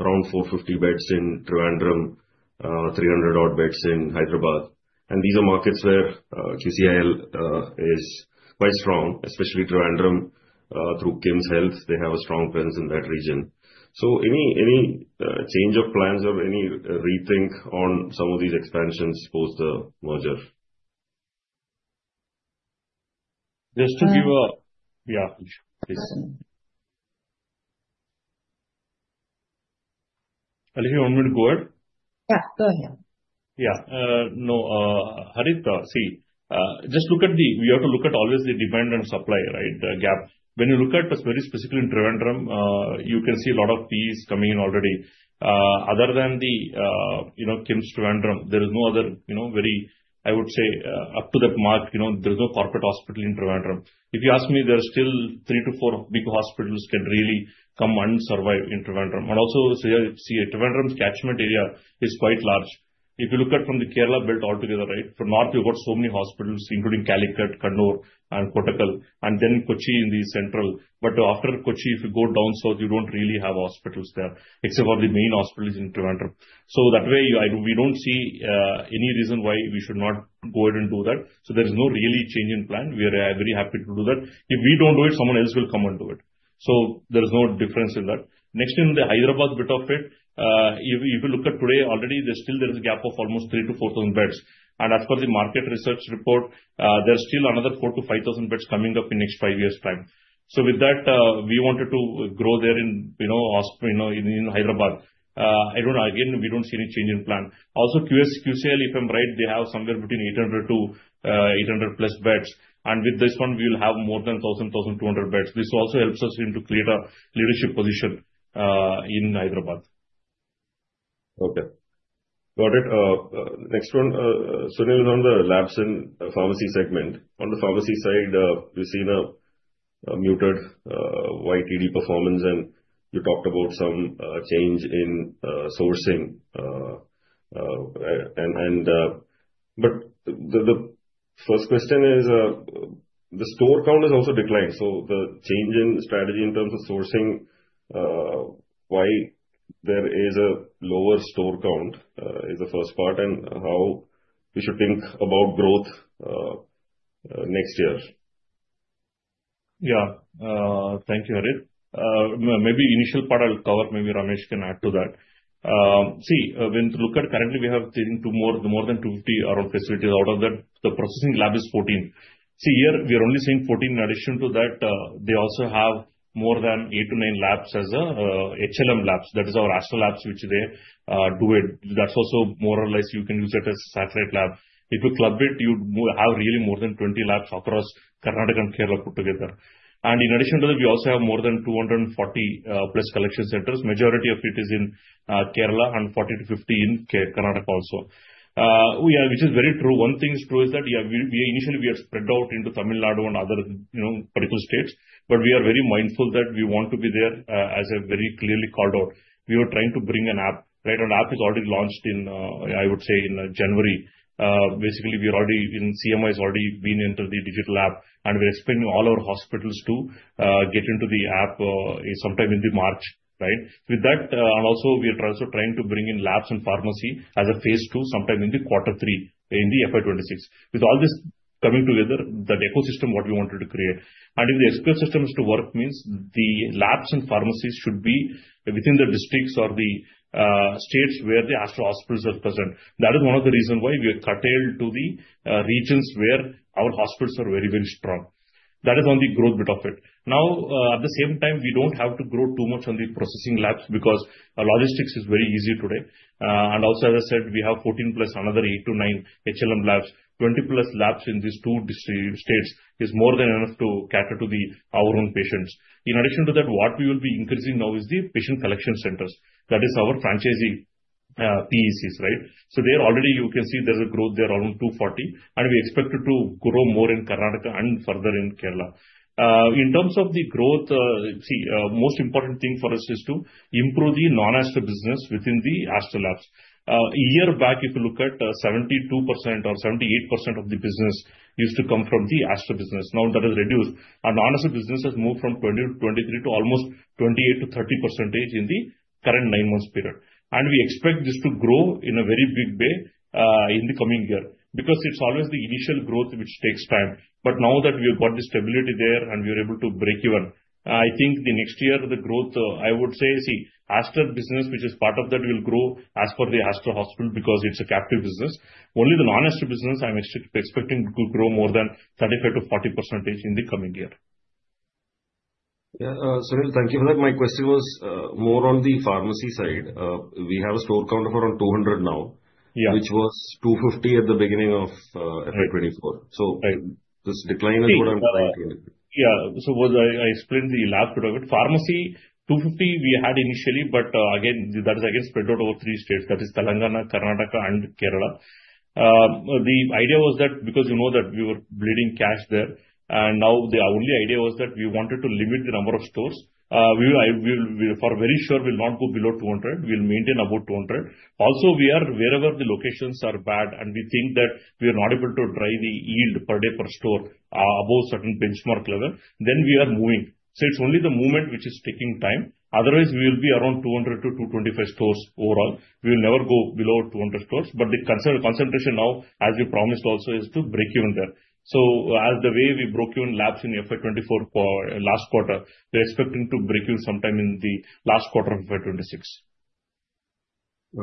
around 450 beds in Trivandrum, 300-odd beds in Hyderabad. And these are markets where QCIL is quite strong, especially Trivandrum through KIMSHEALTH. They have a strong presence in that region. So any change of plans or any rethink on some of these expansions post the merger? Just to give a yeah, please. Alisha, you want me to go ahead? Yeah, go ahead. Yeah. No, Harith, see, just look at, we have to look at always the demand and supply, right? The gap. When you look at us very specifically in Trivandrum, you can see a lot of fees coming in already. Other than the KIMS Trivandrum, there is no other very, I would say, up to that mark, there's no corporate hospital in Trivandrum. If you ask me, there are still three to four big hospitals can really come and survive in Trivandrum. And also, see, Trivandrum's catchment area is quite large. If you look at from the Kerala belt altogether, right, from north, you've got so many hospitals, including Calicut, Kannur, and Kottakkal, and then Kochi in the central. But after Kochi, if you go down south, you don't really have hospitals there, except for the main hospitals in Trivandrum. So that way, we don't see any reason why we should not go ahead and do that. So there is no real change in plan. We are very happy to do that. If we don't do it, someone else will come and do it. So there is no difference in that. Next, in the Hyderabad bit of it, if you look at today, already, there's still a gap of almost 3,000-4,000 beds. And as per the market research report, there's still another 4,000-5,000 beds coming up in next five years' time. So with that, we wanted to grow there in Hyderabad. Again, we don't see any change in plan. Also, QCIL, if I'm right, they have somewhere between 800-800+ beds. And with this one, we will have more than 1,000-1,200 beds. This also helps us into clearer leadership position in Hyderabad. Okay. Got it. Next one, Sunil is on the labs and pharmacy segment. On the pharmacy side, we've seen a muted YTD performance, and you talked about some change in sourcing. But the first question is the store count has also declined. So the change in strategy in terms of sourcing, why there is a lower store count is the first part, and how we should think about growth next year. Yeah. Thank you, Harith. Maybe initial part I'll cover. Maybe Ramesh can add to that. See, when you look at currently, we have taken more than 250 around facilities. Out of that, the processing lab is 14. See, here, we are only seeing 14. In addition to that, they also have more than eight to nine labs as HLM labs. That is our Aster Labs which they do it. That's also more or less you can use it as a satellite lab. If you club it, you have really more than 20 labs across Karnataka and Kerala put together. And in addition to that, we also have more than 240-plus collection centers. Majority of it is in Kerala and 40-50 in Karnataka also, which is very true. One thing is true is that initially, we are spread out into Tamil Nadu and other particular states. But we are very mindful that we want to be there as a very clearly called out. We were trying to bring an app, right? An app is already launched, I would say, in January. Basically, we are already in CMI has already been into the digital app. And we're expecting all our hospitals to get into the app sometime in the March, right? With that, and also, we are also trying to bring in labs and pharmacy as a phase II sometime in the quarter three in the FY26. With all this coming together, that ecosystem what we wanted to create. And if the ecosystem is to work, means the labs and pharmacies should be within the districts or the states where the Aster Hospitals are present. That is one of the reasons why we are curtailed to the regions where our hospitals are very, very strong. That is on the growth bit of it. Now, at the same time, we don't have to grow too much on the processing labs because logistics is very easy today. And also, as I said, we have 14 plus another eight to nine HLM labs. 20 plus labs in these two states is more than enough to cater to our own patients. In addition to that, what we will be increasing now is the patient collection centers. That is our franchisee PECs, right? So there already, you can see there's a growth there around 240. And we expect it to grow more in Karnataka and further in Kerala. In terms of the growth, see, most important thing for us is to improve the non-Aster business within the Aster Labs. A year back, if you look at 72% or 78% of the business used to come from the Aster business. Now that has reduced. Our non-Aster business has moved from 20%-23% to almost 28%-30% in the current nine months' period. And we expect this to grow in a very big way in the coming year because it's always the initial growth which takes time. But now that we have got the stability there and we are able to break even, I think the next year, the growth, I would say, see, Aster business, which is part of that, will grow as per the Aster Hospital because it's a captive business. Only the non-Aster business, I'm expecting to grow more than 35%-40% in the coming year. Yeah. Sunil, thank you for that. My question was more on the pharmacy side. We have a store count of around 200 now, which was 250 at the beginning of FY24. So this decline is what I'm trying to. Yeah. So I explained the lab a little bit. Pharmacy, 250 we had initially, but again, that is again spread out over three states. That is Telangana, Karnataka, and Kerala. The idea was that because you know that we were bleeding cash there. And now the only idea was that we wanted to limit the number of stores. We will for very sure will not go below 200. We will maintain above 200. Also, wherever the locations are bad and we think that we are not able to drive the yield per day per store above certain benchmark level, then we are moving. So it's only the movement which is taking time. Otherwise, we will be around 200-225 stores overall. We will never go below 200 stores. But the concentration now, as we promised also, is to break even there. So, as the way we broke even labs in FY24 last quarter, we're expecting to break even sometime in the last quarter of FY26.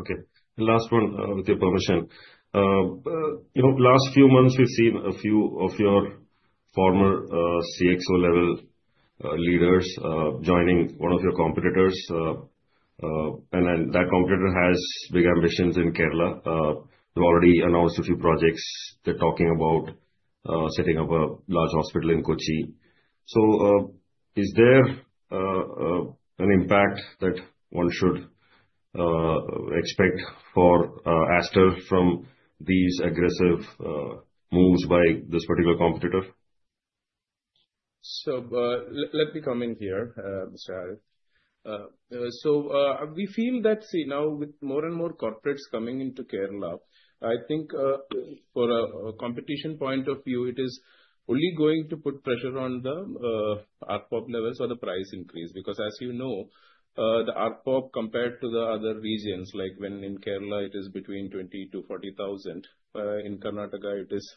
Okay. And last one, with your permission. Last few months, we've seen a few of your former CXO-level leaders joining one of your competitors. And then that competitor has big ambitions in Kerala. They've already announced a few projects. They're talking about setting up a large hospital in Kochi. So is there an impact that one should expect for Aster from these aggressive moves by this particular competitor? So let me come in here, Mr. Harith. So we feel that, see, now with more and more corporates coming into Kerala, I think for a competition point of view, it is only going to put pressure on the ARPOB levels or the price increase. Because as you know, the ARPOB compared to the other regions, like when in Kerala, it is between 20,000-40,000. In Karnataka, it is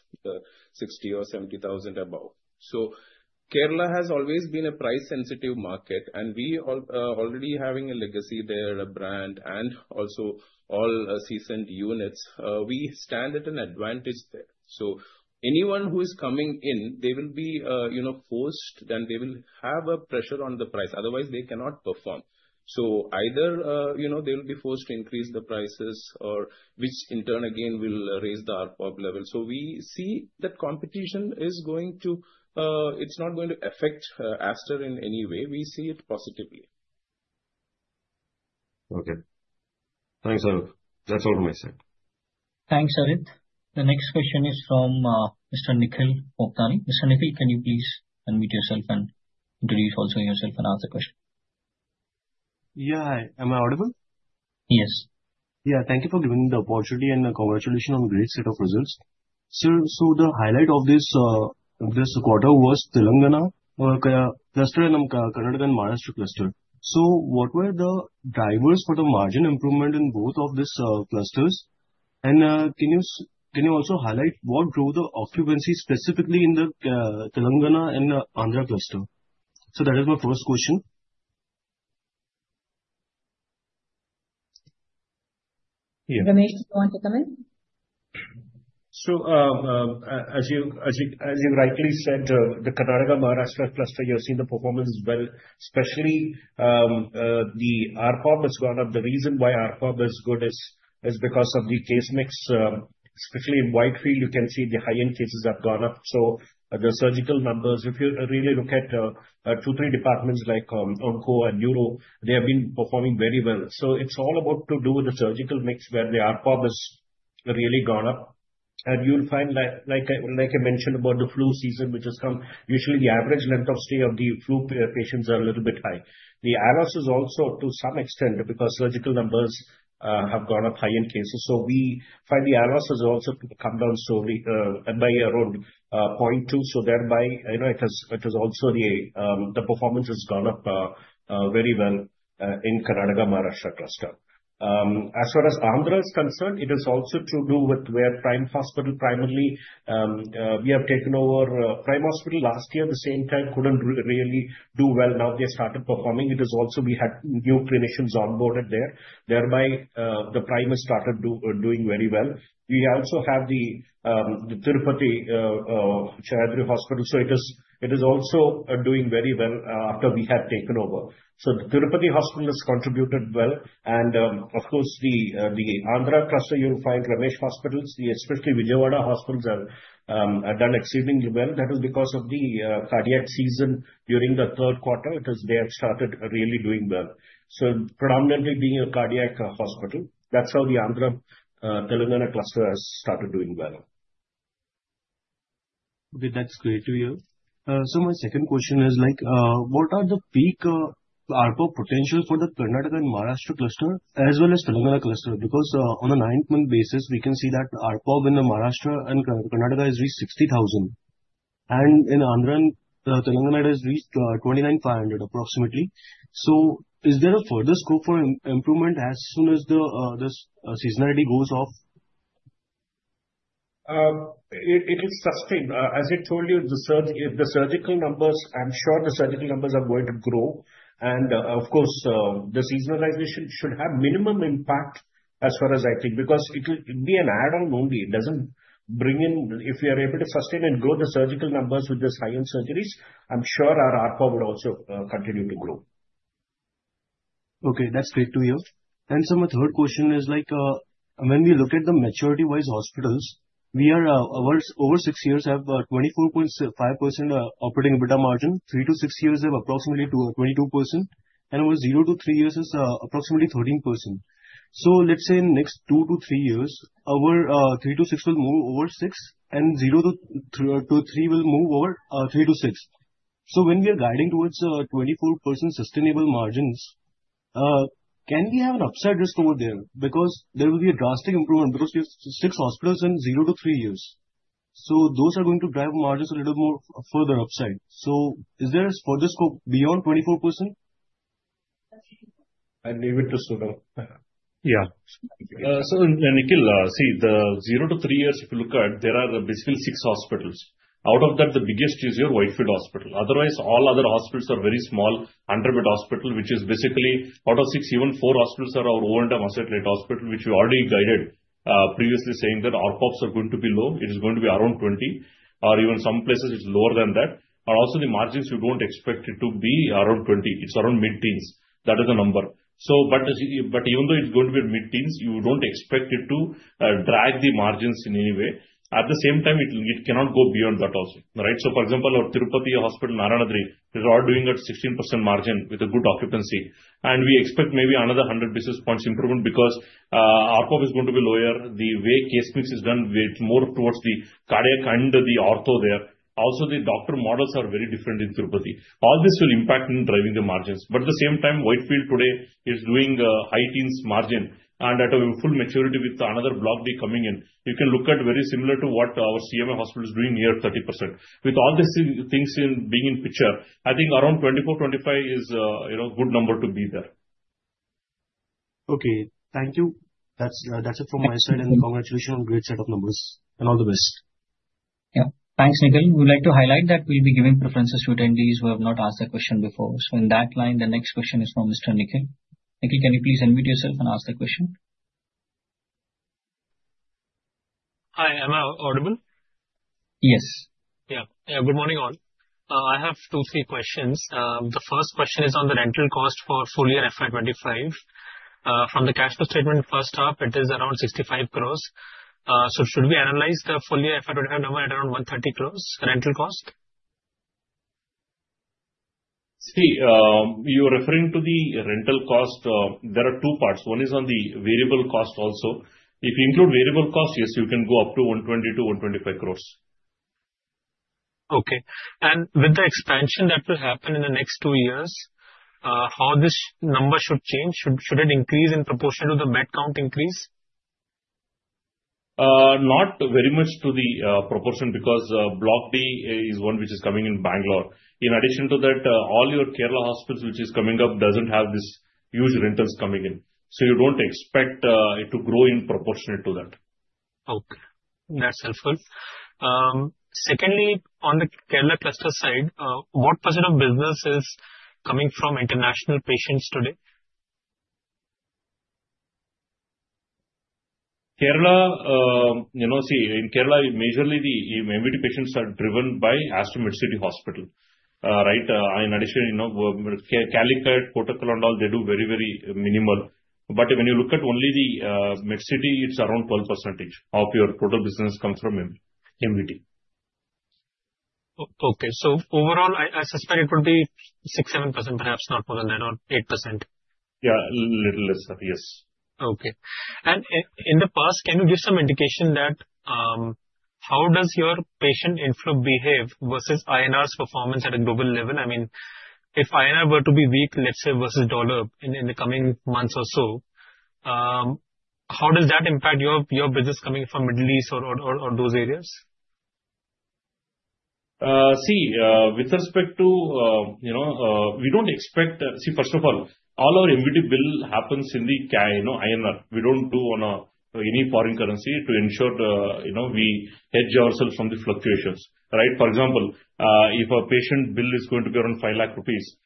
60,000 or 70,000 above. So Kerala has always been a price-sensitive market. And we already having a legacy there, a brand, and also all seasoned units, we stand at an advantage there. So anyone who is coming in, they will be forced, then they will have a pressure on the price. Otherwise, they cannot perform. So either they will be forced to increase the prices, which in turn, again, will raise the ARPOB level. So we see that competition is going to. It's not going to affect Aster in any way. We see it positively. Okay. Thanks, Harith. That's all from my side. Thanks, Harith. The next question is from Mr. Nikhil Mathur. Mr. Nikhil, can you please unmute yourself and introduce also yourself and ask the question? Yeah. Am I audible? Yes. Yeah. Thank you for giving me the opportunity and congratulations on a great set of results. So the highlight of this quarter was Telangana cluster and Karnataka and Maharashtra cluster. So what were the drivers for the margin improvement in both of these clusters? And can you also highlight what drove the occupancy specifically in the Telangana and Andhra cluster? So that is my first question. Ramesh, do you want to come in? So as you rightly said, the Karnataka-Maharashtra cluster, you have seen the performance is well, especially the ARPOB has gone up. The reason why ARPOB is good is because of the case mix. Especially in Whitefield, you can see the high-end cases have gone up. So the surgical numbers, if you really look at two or three departments like Onco and Neuro, they have been performing very well. So it's all to do with the surgical mix where the ARPOB has really gone up. And you'll find, like I mentioned about the flu season, which has come, usually the average length of stay of the flu patients are a little bit high. The ALOS also to some extent because surgical numbers have gone up, high-end cases. So we find the ALOS also come down by around point two. So, thereby, it is also the performance has gone up very well in Karnataka-Maharashtra cluster. As far as Andhra is concerned, it is also to do with where Prime Hospital primarily we have taken over Prime Hospital last year. At the same time, couldn't really do well. Now they started performing. It is also we had new clinicians onboarded there. Thereby, the Prime has started doing very well. We also have the Tirupati Sadguru Hospital, so it is also doing very well after we had taken over, so the Tirupati Hospital has contributed well, and of course, the Andhra cluster, you'll find Ramesh Hospitals, especially Vijayawada Hospitals, have done exceedingly well. That is because of the cardiac season during the third quarter, because they have started really doing well, so predominantly being a cardiac hospital, that's how the Andhra Telangana cluster has started doing well. Okay. That's great to hear. So my second question is, what are the peak ARPOB potential for the Karnataka and Maharashtra cluster as well as Telangana cluster? Because on a nine-month basis, we can see that ARPOB in Maharashtra and Karnataka has reached 60,000. And in Andhra and Telangana has reached 29,500 approximately. So is there a further scope for improvement as soon as the seasonality goes off? It will sustain. As I told you, the surgical numbers, I'm sure the surgical numbers are going to grow. And of course, the seasonalization should have minimum impact as far as I think because it will be an add-on only. It doesn't bring in if we are able to sustain and grow the surgical numbers with these high-end surgeries, I'm sure our ARPOB would also continue to grow. Okay. That's great to hear. And so my third question is, when we look at the maturity-wise hospitals, we are over six years have 24.5% operating EBITDA margin. Three to six years have approximately 22%. And over zero to three years is approximately 13%. So let's say in the next two to three years, our three to six will move over six, and zero to three will move over three to six. So when we are guiding towards 24% sustainable margins, can we have an upside risk over there? Because there will be a drastic improvement because we have six hospitals in zero to three years. So those are going to drive margins a little more further upside. So is there a further scope beyond 24%? I'll leave it to Sunil. Yeah. So Nikhil, see, the zero to three years, if you look at, there are basically six hospitals. Out of that, the biggest is your Whitefield Hospital. Otherwise, all other hospitals are very small, 100-bed hospital, which is basically out of six, even four hospitals are our overall Maharashtra hospital, which we already guided previously saying that ARPOBs are going to be low. It is going to be around 20, or even some places it's lower than that. And also the margins, you don't expect it to be around 20. It's around mid-teens. That is the number. But even though it's going to be mid-teens, you don't expect it to drag the margins in any way. At the same time, it cannot go beyond that also, right? So for example, our Tirupati Hospital, Narayanadri, they are all doing at 16% margin with a good occupancy. We expect maybe another 100 basis points improvement because ARPOB is going to be lower. The way case mix is done, it's more towards the cardiac and the ortho there. Also, the doctor models are very different in Tirupati. All this will impact in driving the margins. But at the same time, Whitefield today is doing high-teens margin. And at a full maturity with another block D coming in, you can look at very similar to what our CMI hospital is doing near 30%. With all these things being in picture, I think around 24%-25% is a good number to be there. Okay. Thank you. That's it from my side. And congratulations on a great set of numbers. And all the best. Yeah. Thanks, Nikhil. We would like to highlight that we'll be giving preferences to attendees who have not asked the question before. So in that line, the next question is from Mr. Nikhil. Nikhil, can you please unmute yourself and ask the question? Hi. Am I audible? Yes. Yeah. Yeah. Good morning, all. I have two or three questions. The first question is on the rental cost for full year FY25. From the cash flow statement, first off, it is around 65 crores. So should we analyze the full year FY25 number at around 130 crores rental cost? See, you're referring to the rental cost. There are two parts. One is on the variable cost also. If you include variable cost, yes, you can go up to 120-125 crore. Okay, and with the expansion that will happen in the next two years, how should this number change? Should it increase in proportion to the bed count increase? Not very much to the proportion because Block D is one which is coming in Bengaluru. In addition to that, all your Kerala hospitals which is coming up doesn't have these huge rentals coming in. So you don't expect it to grow in proportionate to that. Okay. That's helpful. Secondly, on the Kerala cluster side, what percent of business is coming from international patients today? Kerala, see, in Kerala, majorly the MVT patients are driven by Aster Medcity Hospital, right? In addition, Calicut, Kottakkal, they do very, very minimal. But when you look at only the Medcity, it's around 12% of your total business comes from MVT. Okay. So overall, I suspect it would be six, seven percent, perhaps not more than that, or eight percent. Yeah. A little less, yes. Okay. And in the past, can you give some indication that how does your patient inflow behave versus INR's performance at a global level? I mean, if INR were to be weak, let's say, versus dollar in the coming months or so, how does that impact your business coming from Middle East or those areas? See, with respect to, we don't expect. First of all, all our MVT billing happens in the INR. We don't do any foreign currency to ensure we hedge ourselves from the fluctuations, right? For example, if a patient bill is going to be around 5 lakh rupees,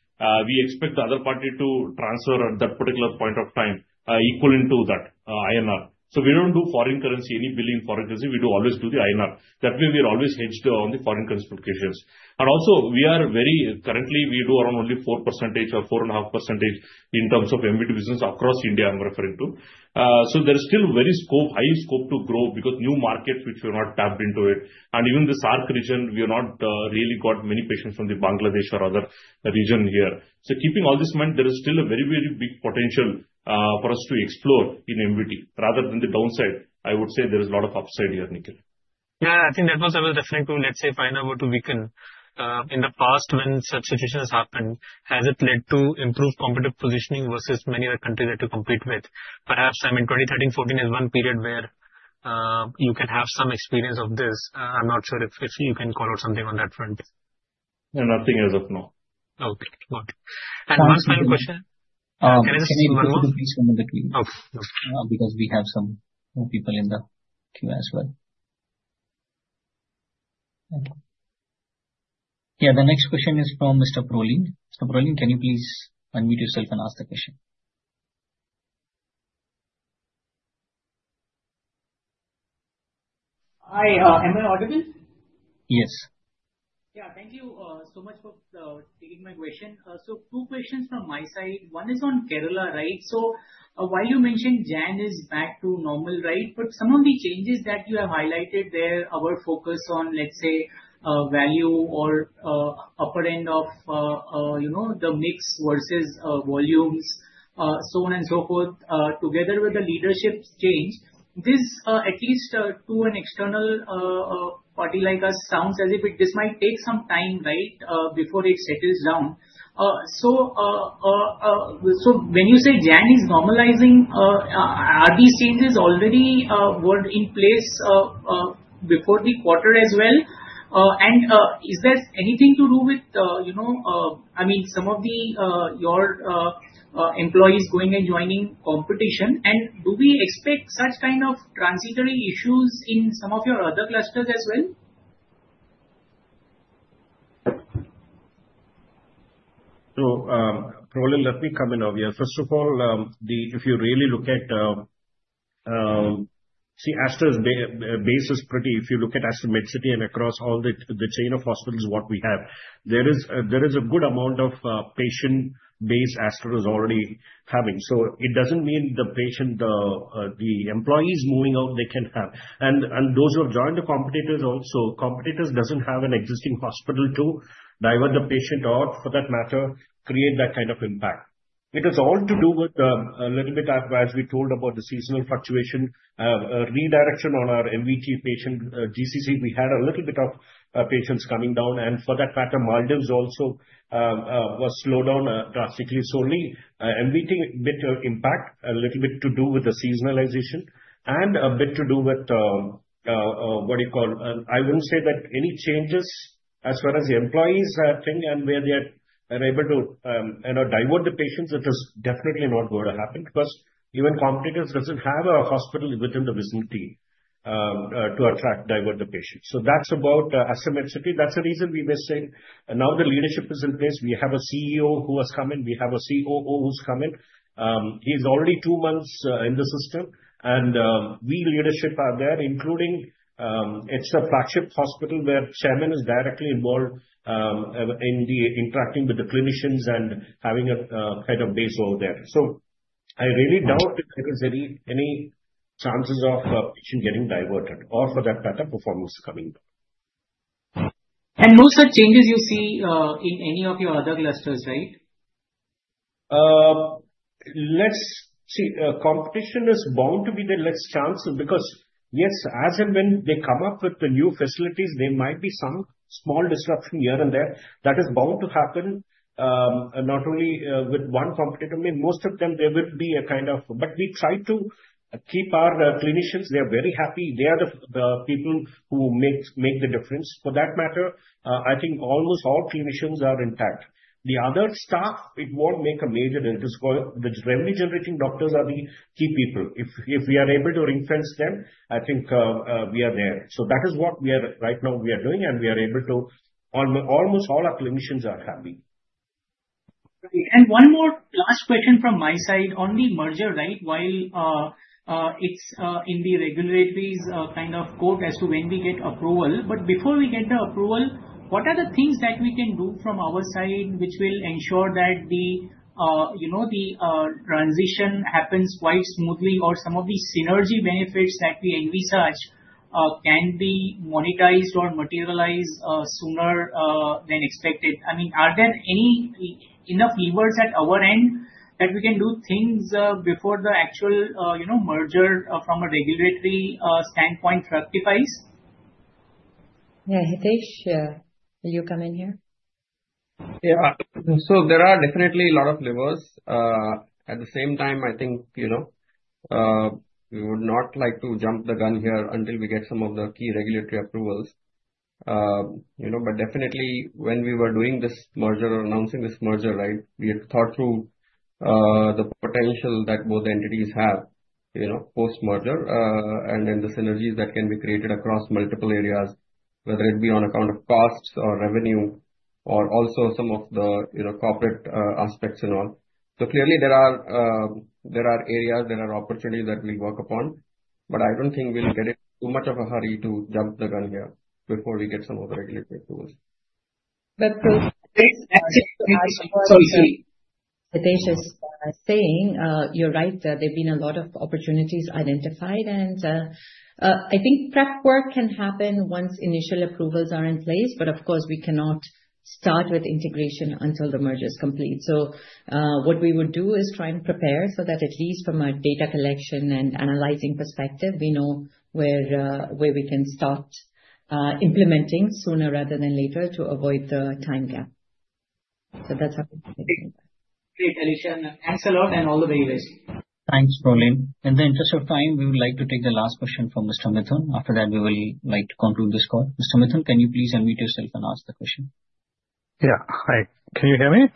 we expect the other party to transfer at that particular point of time equal into that INR. So we don't do foreign currency any billing foreign currency. We always do the INR. That way, we are always hedged on the foreign currency fluctuations. And also, currently, we do around only four percent or 4.5% in terms of MVT business across India, I'm referring to. So there is still very high scope to grow because new markets which we have not tapped into it. And even the SAARC region, we have not really got many patients from Bangladesh or other region here. So keeping all this in mind, there is still a very, very big potential for us to explore in MVT. Rather than the downside, I would say there is a lot of upside here, Nikhil. Yeah. I think that was a definite too, let's say, find out what to weaken. In the past, when such situations happened, has it led to improved competitive positioning versus many other countries that you compete with? Perhaps, I mean, 2013, 2014 is one period where you can have some experience of this. I'm not sure if you can call out something on that front. Nothing as of now. Okay. Got it and one final question. Can I just see one more? Please come in the queue. Okay. Because we have some more people in the queue as well. Yeah. The next question is from Mr. Proling. Mr. Proling, can you please unmute yourself and ask the question? Hi. Am I audible? Yes. Yeah. Thank you so much for taking my question. So two questions from my side. One is on Kerala, right? So while you mentioned January is back to normal, right? But some of the changes that you have highlighted there are focused on, let's say, value or upper end of the mix versus volumes, so on and so forth, together with the leadership change. This, at least to an external party like us, sounds as if this might take some time, right, before it settles down. So when you say January is back to normal, are these changes already in place before the quarter as well? And is there anything to do with, I mean, some of your employees going and joining competition? And do we expect such kind of transitory issues in some of your other clusters as well? So, Proling, let me come in over here. First of all, if you really look at, see, Aster's base is pretty if you look at Aster Medcity and across all the chain of hospitals what we have, there is a good amount of patient base Aster is already having. So it doesn't mean the employees moving out, they can have. And those who have joined the competitors also, competitors doesn't have an existing hospital to divert the patient out for that matter, create that kind of impact. It is all to do with a little bit as we told about the seasonal fluctuation, redirection on our MVT patient GCC. We had a little bit of patients coming down. And for that matter, Maldives also was slowed down drastically. So only MVT bit impact, a little bit to do with the seasonalization, and a bit to do with what you call. I wouldn't say that any changes as far as the employees thing and where they are able to divert the patients. It is definitely not going to happen because even competitors doesn't have a hospital within the vicinity to attract, divert the patients. So that's about Aster Medcity. That's the reason we were saying now the leadership is in place. We have a CEO who has come in. We have a COO who's come in. He's already two months in the system. And we leadership are there, including it's a flagship hospital where chairman is directly involved in interacting with the clinicians and having a kind of base over there. So I really doubt if there is any chances of patient getting diverted or for that kind of performance coming down. And those are changes you see in any of your other clusters, right? Let's see. Competition is bound to be the next challenge because, yes, as and when they come up with the new facilities, there might be some small disruption here and there that is bound to happen not only with one competitor. I mean, most of them, there will be a kind of, but we try to keep our clinicians. They are very happy. They are the people who make the difference. For that matter, I think almost all clinicians are intact. The other staff, it won't make a major difference. The revenue-generating doctors are the key people. If we are able to ring-fence them, I think we are there. So that is what we are doing right now. And we are able to; almost all our clinicians are happy. Right. And one more last question from my side on the merger, right? While it's in the regulatory kind of court as to when we get approval, but before we get the approval, what are the things that we can do from our side which will ensure that the transition happens quite smoothly or some of the synergy benefits that we envisage can be monetized or materialized sooner than expected? I mean, are there enough levers at our end that we can do things before the actual merger from a regulatory standpoint rectifies? Yeah. Hitesh, will you come in here? Yeah. So there are definitely a lot of levers. At the same time, I think we would not like to jump the gun here until we get some of the key regulatory approvals. But definitely, when we were doing this merger or announcing this merger, right, we had thought through the potential that both entities have post-merger and then the synergies that can be created across multiple areas, whether it be on account of costs or revenue or also some of the corporate aspects and all. So clearly, there are areas, there are opportunities that we'll work upon. But I don't think we'll get into much of a hurry to jump the gun here before we get some of the regulatory approvals. But Hitesh is saying you're right that there have been a lot of opportunities identified. And I think prep work can happen once initial approvals are in place. But of course, we cannot start with integration until the merger is complete. So what we would do is try and prepare so that at least from a data collection and analyzing perspective, we know where we can start implementing sooner rather than later to avoid the time gap. So that's how we're going to do that. Great, Alisha. Thanks a lot and all the very best. Thanks, Proling. In the interest of time, we would like to take the last question from Mr. Mithun. After that, we will like to conclude this call. Mr. Mithun, can you please unmute yourself and ask the question? Yeah. Hi. Can you hear me?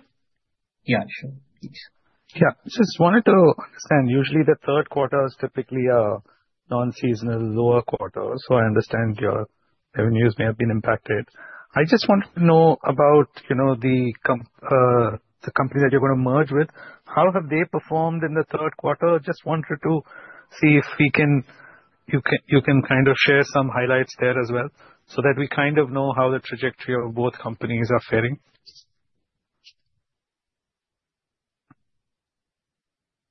Yeah. Sure. Please. Yeah. Just wanted to understand. Usually, the third quarter is typically a non-seasonal lower quarter. So I understand your revenues may have been impacted. I just wanted to know about the company that you're going to merge with. How have they performed in the third quarter? Just wanted to see if you can kind of share some highlights there as well so that we kind of know how the trajectory of both companies are faring.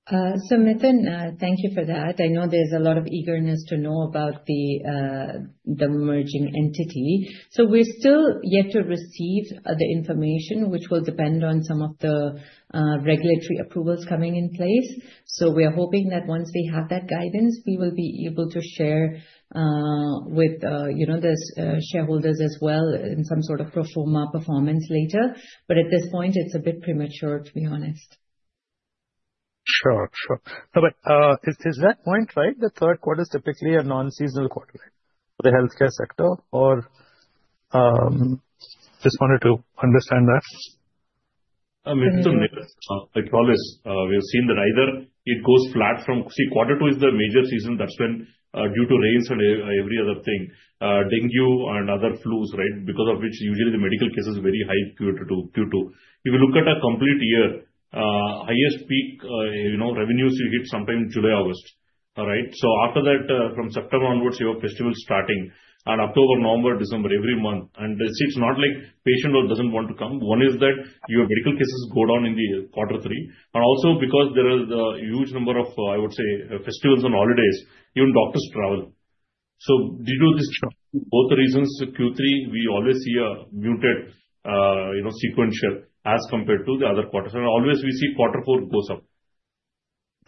So Mithun, thank you for that. I know there's a lot of eagerness to know about the merging entity. So we're still yet to receive the information, which will depend on some of the regulatory approvals coming in place. So we are hoping that once we have that guidance, we will be able to share with the shareholders as well in some sort of pro forma performance later. But at this point, it's a bit premature, to be honest. Sure. Sure. But is the point, right? The third quarter is typically a non-seasonal quarter, right, for the healthcare sector? Or just wanted to understand that. Mithun, I promise we have seen that either it goes flat from Q2, quarter two is the major season. That's when due to rains and every other thing, dengue and other flus, right, because of which usually the medical case is very high Q2. If you look at a complete year, highest peak revenues you hit sometime July, August, right? So after that, from September onwards, you have festivals starting in October, November, December, every month. And it's not like patient doesn't want to come. One is that your medical cases go down in the quarter three. And also because there is a huge number of, I would say, festivals and holidays, even doctors travel. So due to these both reasons, Q3, we always see a muted sequential as compared to the other quarters. And always we see quarter four goes up.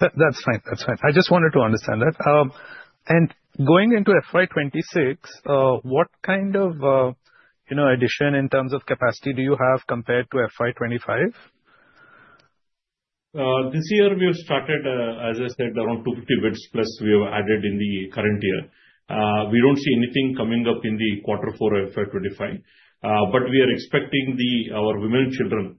That's fine. That's fine. I just wanted to understand that. And going into FY26, what kind of addition in terms of capacity do you have compared to FY25? This year, we have started, as I said, around 250 beds plus we have added in the current year. We don't see anything coming up in the quarter four of FY25, but we are expecting our Women and Children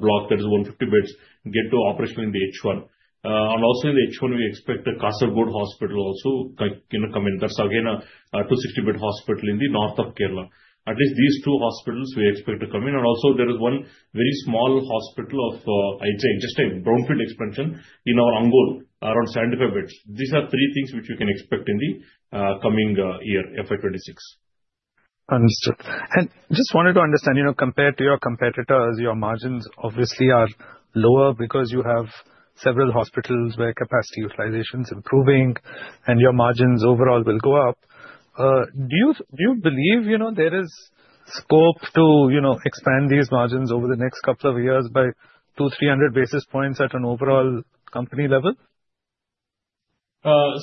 block that is 150 beds get to operational in the H1. And also in the H1, we expect the Kasaragod Hospital also to come in. That's again a 260-bed hospital in the north of Kerala. At least these two hospitals we expect to come in. And also there is one very small hospital of just a brownfield expansion in our Ongole around 75 beds. These are three things which we can expect in the coming year, FY26. Understood. And just wanted to understand, compared to your competitors, your margins obviously are lower because you have several hospitals where capacity utilization is improving and your margins overall will go up. Do you believe there is scope to expand these margins over the next couple of years by 200, 300 basis points at an overall company level?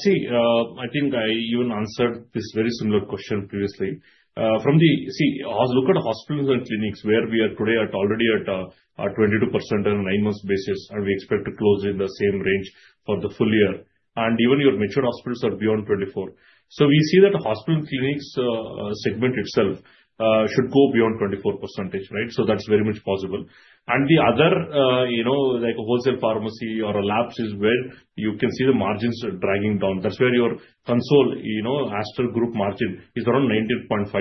See, I think I even answered this very similar question previously. See, look at hospitals and clinics where we are today at 22% on a nine-month basis, and we expect to close in the same range for the full year, and even your mature hospitals are beyond 24%. So we see that hospital and clinics segment itself should go beyond 24%, right? That's very much possible, and the other, like a wholesale pharmacy or a labs is where you can see the margins dragging down. That's where your consolidated Aster Group margin is around 19.5%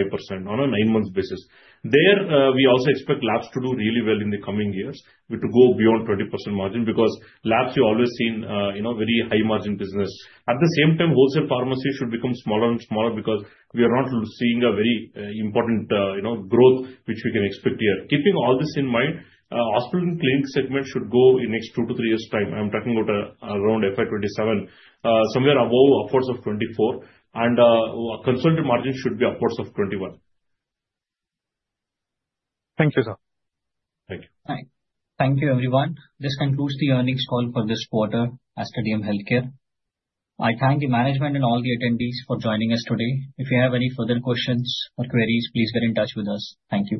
on a nine-month basis. There, we also expect labs to do really well in the coming years to go beyond 20% margin because labs you always seen very high-margin business. At the same time, wholesale pharmacy should become smaller and smaller because we are not seeing a very important growth which we can expect here. Keeping all this in mind, hospital and clinic segment should grow in the next two to three years' time. I'm talking about around FY27, somewhere above upwards of 24%. And consolidated margin should be upwards of 21%. Thank you, sir. Thank you. Thank you, everyone. This concludes the earnings call for this quarter at Aster DM Healthcare. I thank the management and all the attendees for joining us today. If you have any further questions or queries, please get in touch with us. Thank you.